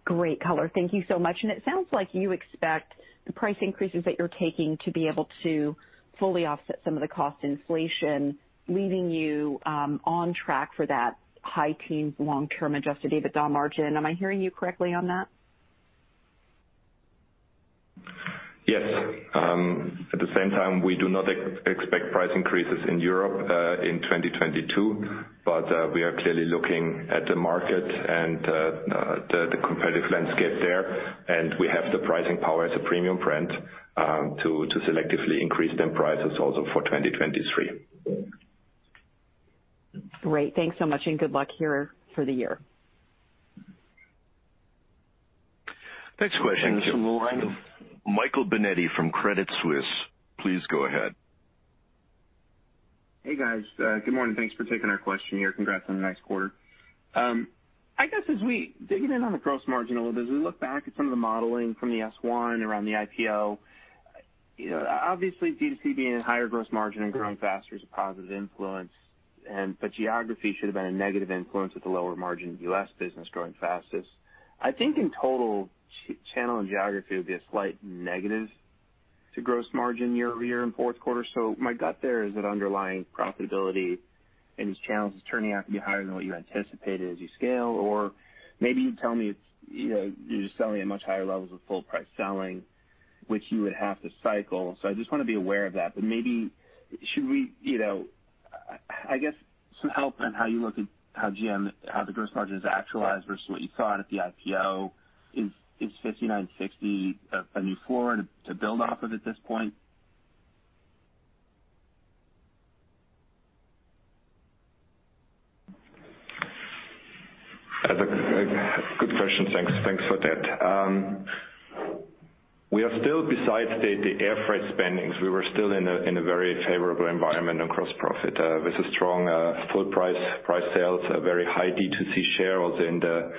Great color. Thank you so much. It sounds like you expect the price increases that you're taking to be able to fully offset some of the cost inflation, leaving you on track for that high teens long-term adjusted EBITDA margin. Am I hearing you correctly on that? Yes. At the same time, we do not expect price increases in Europe in 2022. We are clearly looking at the market and the competitive landscape there. We have the pricing power as a premium brand to selectively increase the prices also for 2023. Great. Thanks so much and good luck here for the year. Next question. Thank you. Michael Binetti from Credit Suisse, please go ahead. Hey, guys. Good morning. Thanks for taking our question here. Congrats on a nice quarter. I guess digging in on the gross margin a little bit, as we look back at some of the modeling from the S-1 around the IPO, you know, obviously D2C being a higher gross margin and growing faster is a positive influence and, but geography should have been a negative influence with the lower margin U.S. business growing fastest. I think in total, channel and geography would be a slight negative to gross margin year-over-year in fourth quarter. My gut there is that underlying profitability in these channels is turning out to be higher than what you anticipated as you scale. Maybe you tell me it's, you know, you're just selling at much higher levels of full price selling, which you would have to cycle. I just wanna be aware of that. Maybe should we, you know, I guess some help on how you look at how GM, how the gross margin is actualized versus what you thought at the IPO is 59%-60%, a new floor to build off of at this point? That's a good question. Thanks for that. We are still despite the air freight spending. We were still in a very favorable environment on gross profit, with a strong full price sales, a very high D2C share also in the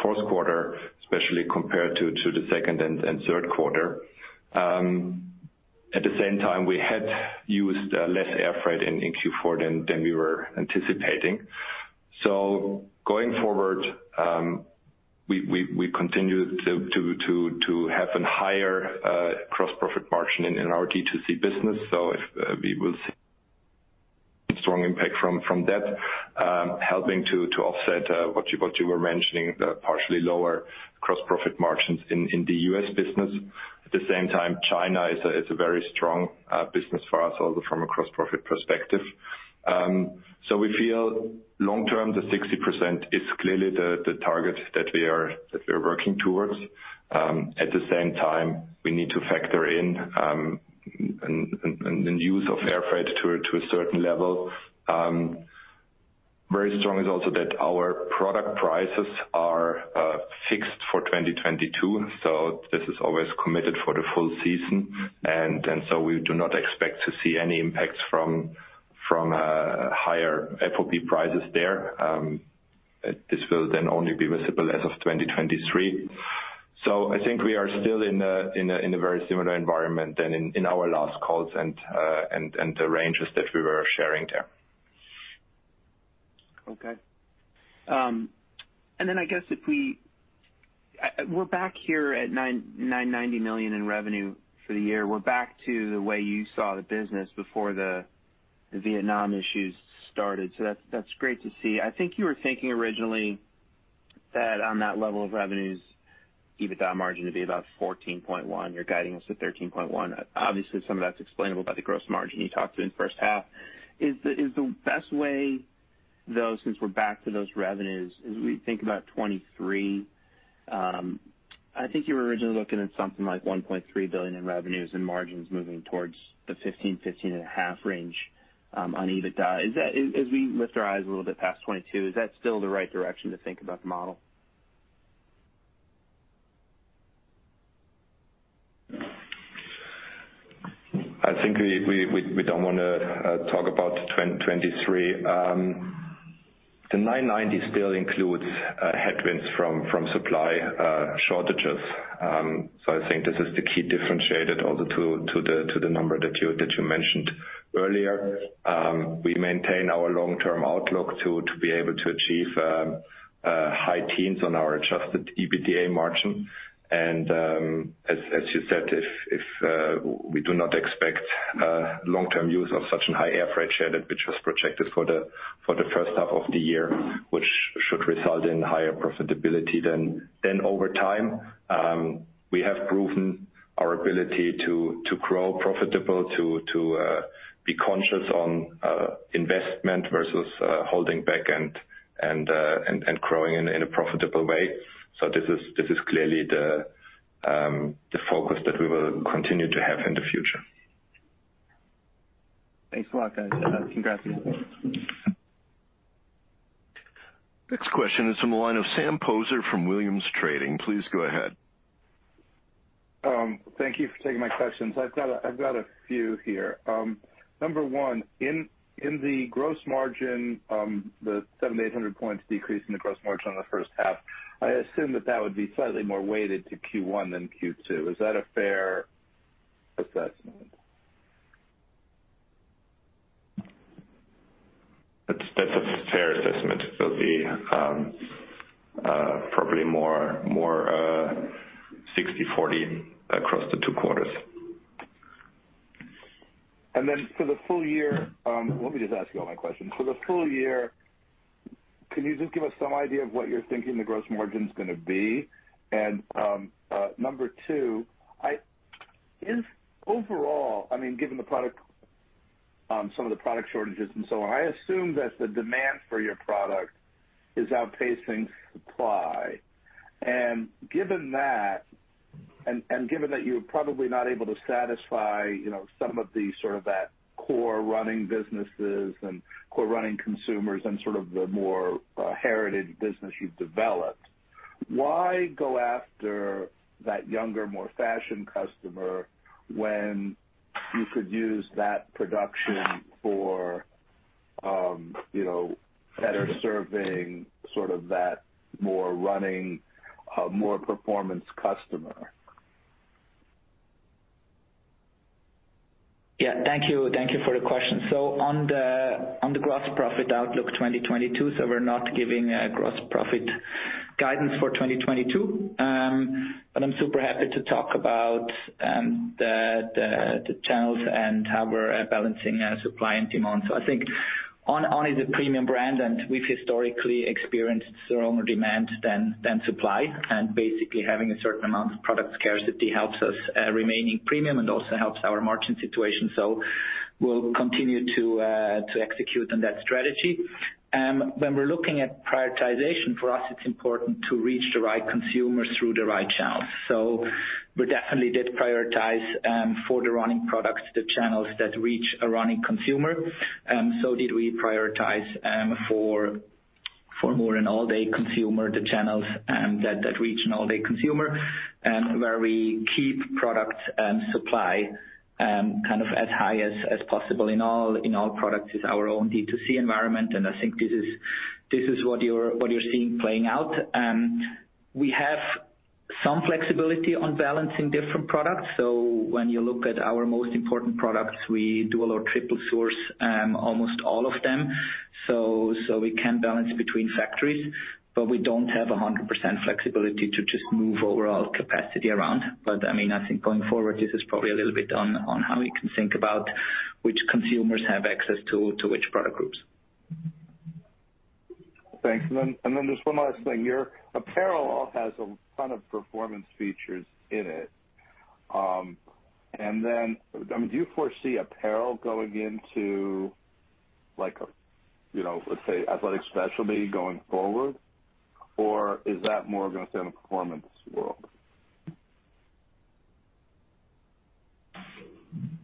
fourth quarter, especially compared to the second and third quarter. At the same time, we had used less air freight in Q4 than we were anticipating. Going forward, we continue to have a higher gross profit margin in our D2C business. We will see strong impact from that, helping to offset what you were mentioning, the partially lower gross profit margins in the U.S. business. At the same time, China is a very strong business for us also from a gross profit perspective. We feel long term, the 60% is clearly the target that we are working towards. At the same time, we need to factor in a use of air freight to a certain level. Very strong is also that our product prices are fixed for 2022, so this is always committed for the full season. We do not expect to see any impacts from higher FOB prices there. This will then only be visible as of 2023. I think we are still in a very similar environment to in our last calls and the ranges that we were sharing there. Okay. We're back here at 990 million in revenue for the year. We're back to the way you saw the business before the Vietnam issues started. That's great to see. I think you were thinking originally that on that level of revenues, EBITDA margin would be about 14.1%. You're guiding us to 13.1%. Obviously, some of that's explainable by the gross margin you talked to in the first half. Is the best way, though, since we're back to those revenues, as we think about 2023, I think you were originally looking at something like 1.3 billion in revenues and margins moving towards the 15%-15.5% range on EBITDA. As we lift our eyes a little bit past 2022, is that still the right direction to think about the model? I think we don't wanna talk about 2023. The 990 million still includes headwinds from supply shortages. So I think this is the key differentiator to the number that you mentioned earlier. We maintain our long-term outlook to be able to achieve high teens on our adjusted EBITDA margin. As you said, if we do not expect long-term use of such a high air freight share that which was projected for the first half of the year, which should result in higher profitability then over time, we have proven our ability to grow profitable, to be conscious on investment versus holding back and growing in a profitable way. This is clearly the focus that we will continue to have in the future. Thanks a lot, guys. Congrats again. Next question is from the line of Sam Poser from Williams Trading. Please go ahead. Thank you for taking my questions. I've got a few here. Number one, in the gross margin, the 700-800 points decrease in the gross margin on the first half, I assume that would be slightly more weighted to Q1 than Q2. Is that a fair assessment? That's a fair assessment. It'll be probably more 60/40 across the two quarters. For the full year, let me just ask you all my questions. For the full year, can you just give us some idea of what you're thinking the gross margin is gonna be? Number two, is overall, I mean, given the product, some of the product shortages and so on, I assume that the demand for your product is outpacing supply. Given that, and given that you're probably not able to satisfy, you know, some of these sort of that core running businesses and core running consumers and sort of the more, heritage business you've developed, why go after that younger, more fashion customer when you could use that production for, you know, better serving sort of that more running, more performance customer? Yeah. Thank you. Thank you for the question. On the gross profit outlook 2022, we're not giving a gross profit guidance for 2022. I'm super happy to talk about the channels and how we're balancing supply and demand. I think On is a premium brand, and we've historically experienced stronger demand than supply. Basically, having a certain amount of product scarcity helps us remain in premium and also helps our margin situation. We'll continue to execute on that strategy. When we're looking at prioritization, for us, it's important to reach the right consumers through the right channels. We definitely did prioritize for the running products, the channels that reach a running consumer. Did we prioritize, for more an all-day consumer, the channels that reach an all-day consumer, where we keep product supply kind of as high as possible in all products? Our own D2C environment. I think this is what you're seeing playing out. We have some flexibility on balancing different products. When you look at our most important products, we dual or triple source almost all of them. We can balance between factories, but we don't have 100% flexibility to just move overall capacity around. I mean, I think going forward, this is probably a little bit on how we can think about which consumers have access to which product groups. Thanks. Just one last thing. Your apparel all has a ton of performance features in it. I mean, do you foresee apparel going into like, you know, let's say, athletic specialty going forward? Is that more gonna stay in the performance world?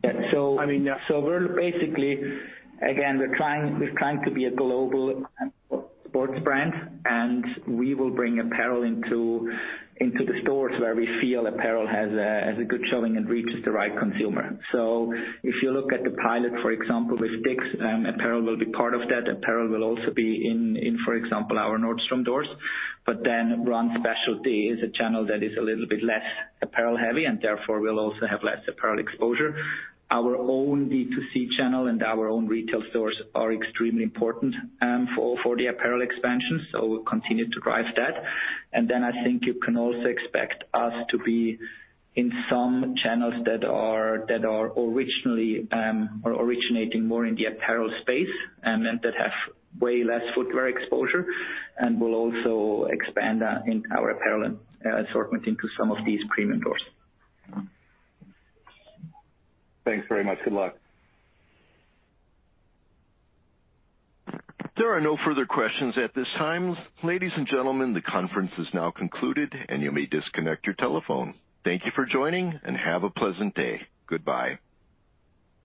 Yeah. I mean. We're trying to be a global sports brand, and we will bring apparel into the stores where we feel apparel has a good showing and reaches the right consumer. If you look at the pilot, for example, with Dick's, apparel will be part of that. Apparel will also be in, for example, our Nordstrom stores. Then run specialty is a channel that is a little bit less apparel-heavy, and therefore will also have less apparel exposure. Our own D2C channel and our own retail stores are extremely important for the apparel expansion, so we'll continue to drive that. I think you can also expect us to be in some channels that are originally or originating more in the apparel space and that have way less footwear exposure. We'll also expand in our apparel assortment into some of these premium stores. Thanks very much. Good luck. There are no further questions at this time. Ladies and gentlemen, the conference is now concluded, and you may disconnect your telephone. Thank you for joining, and have a pleasant day. Goodbye.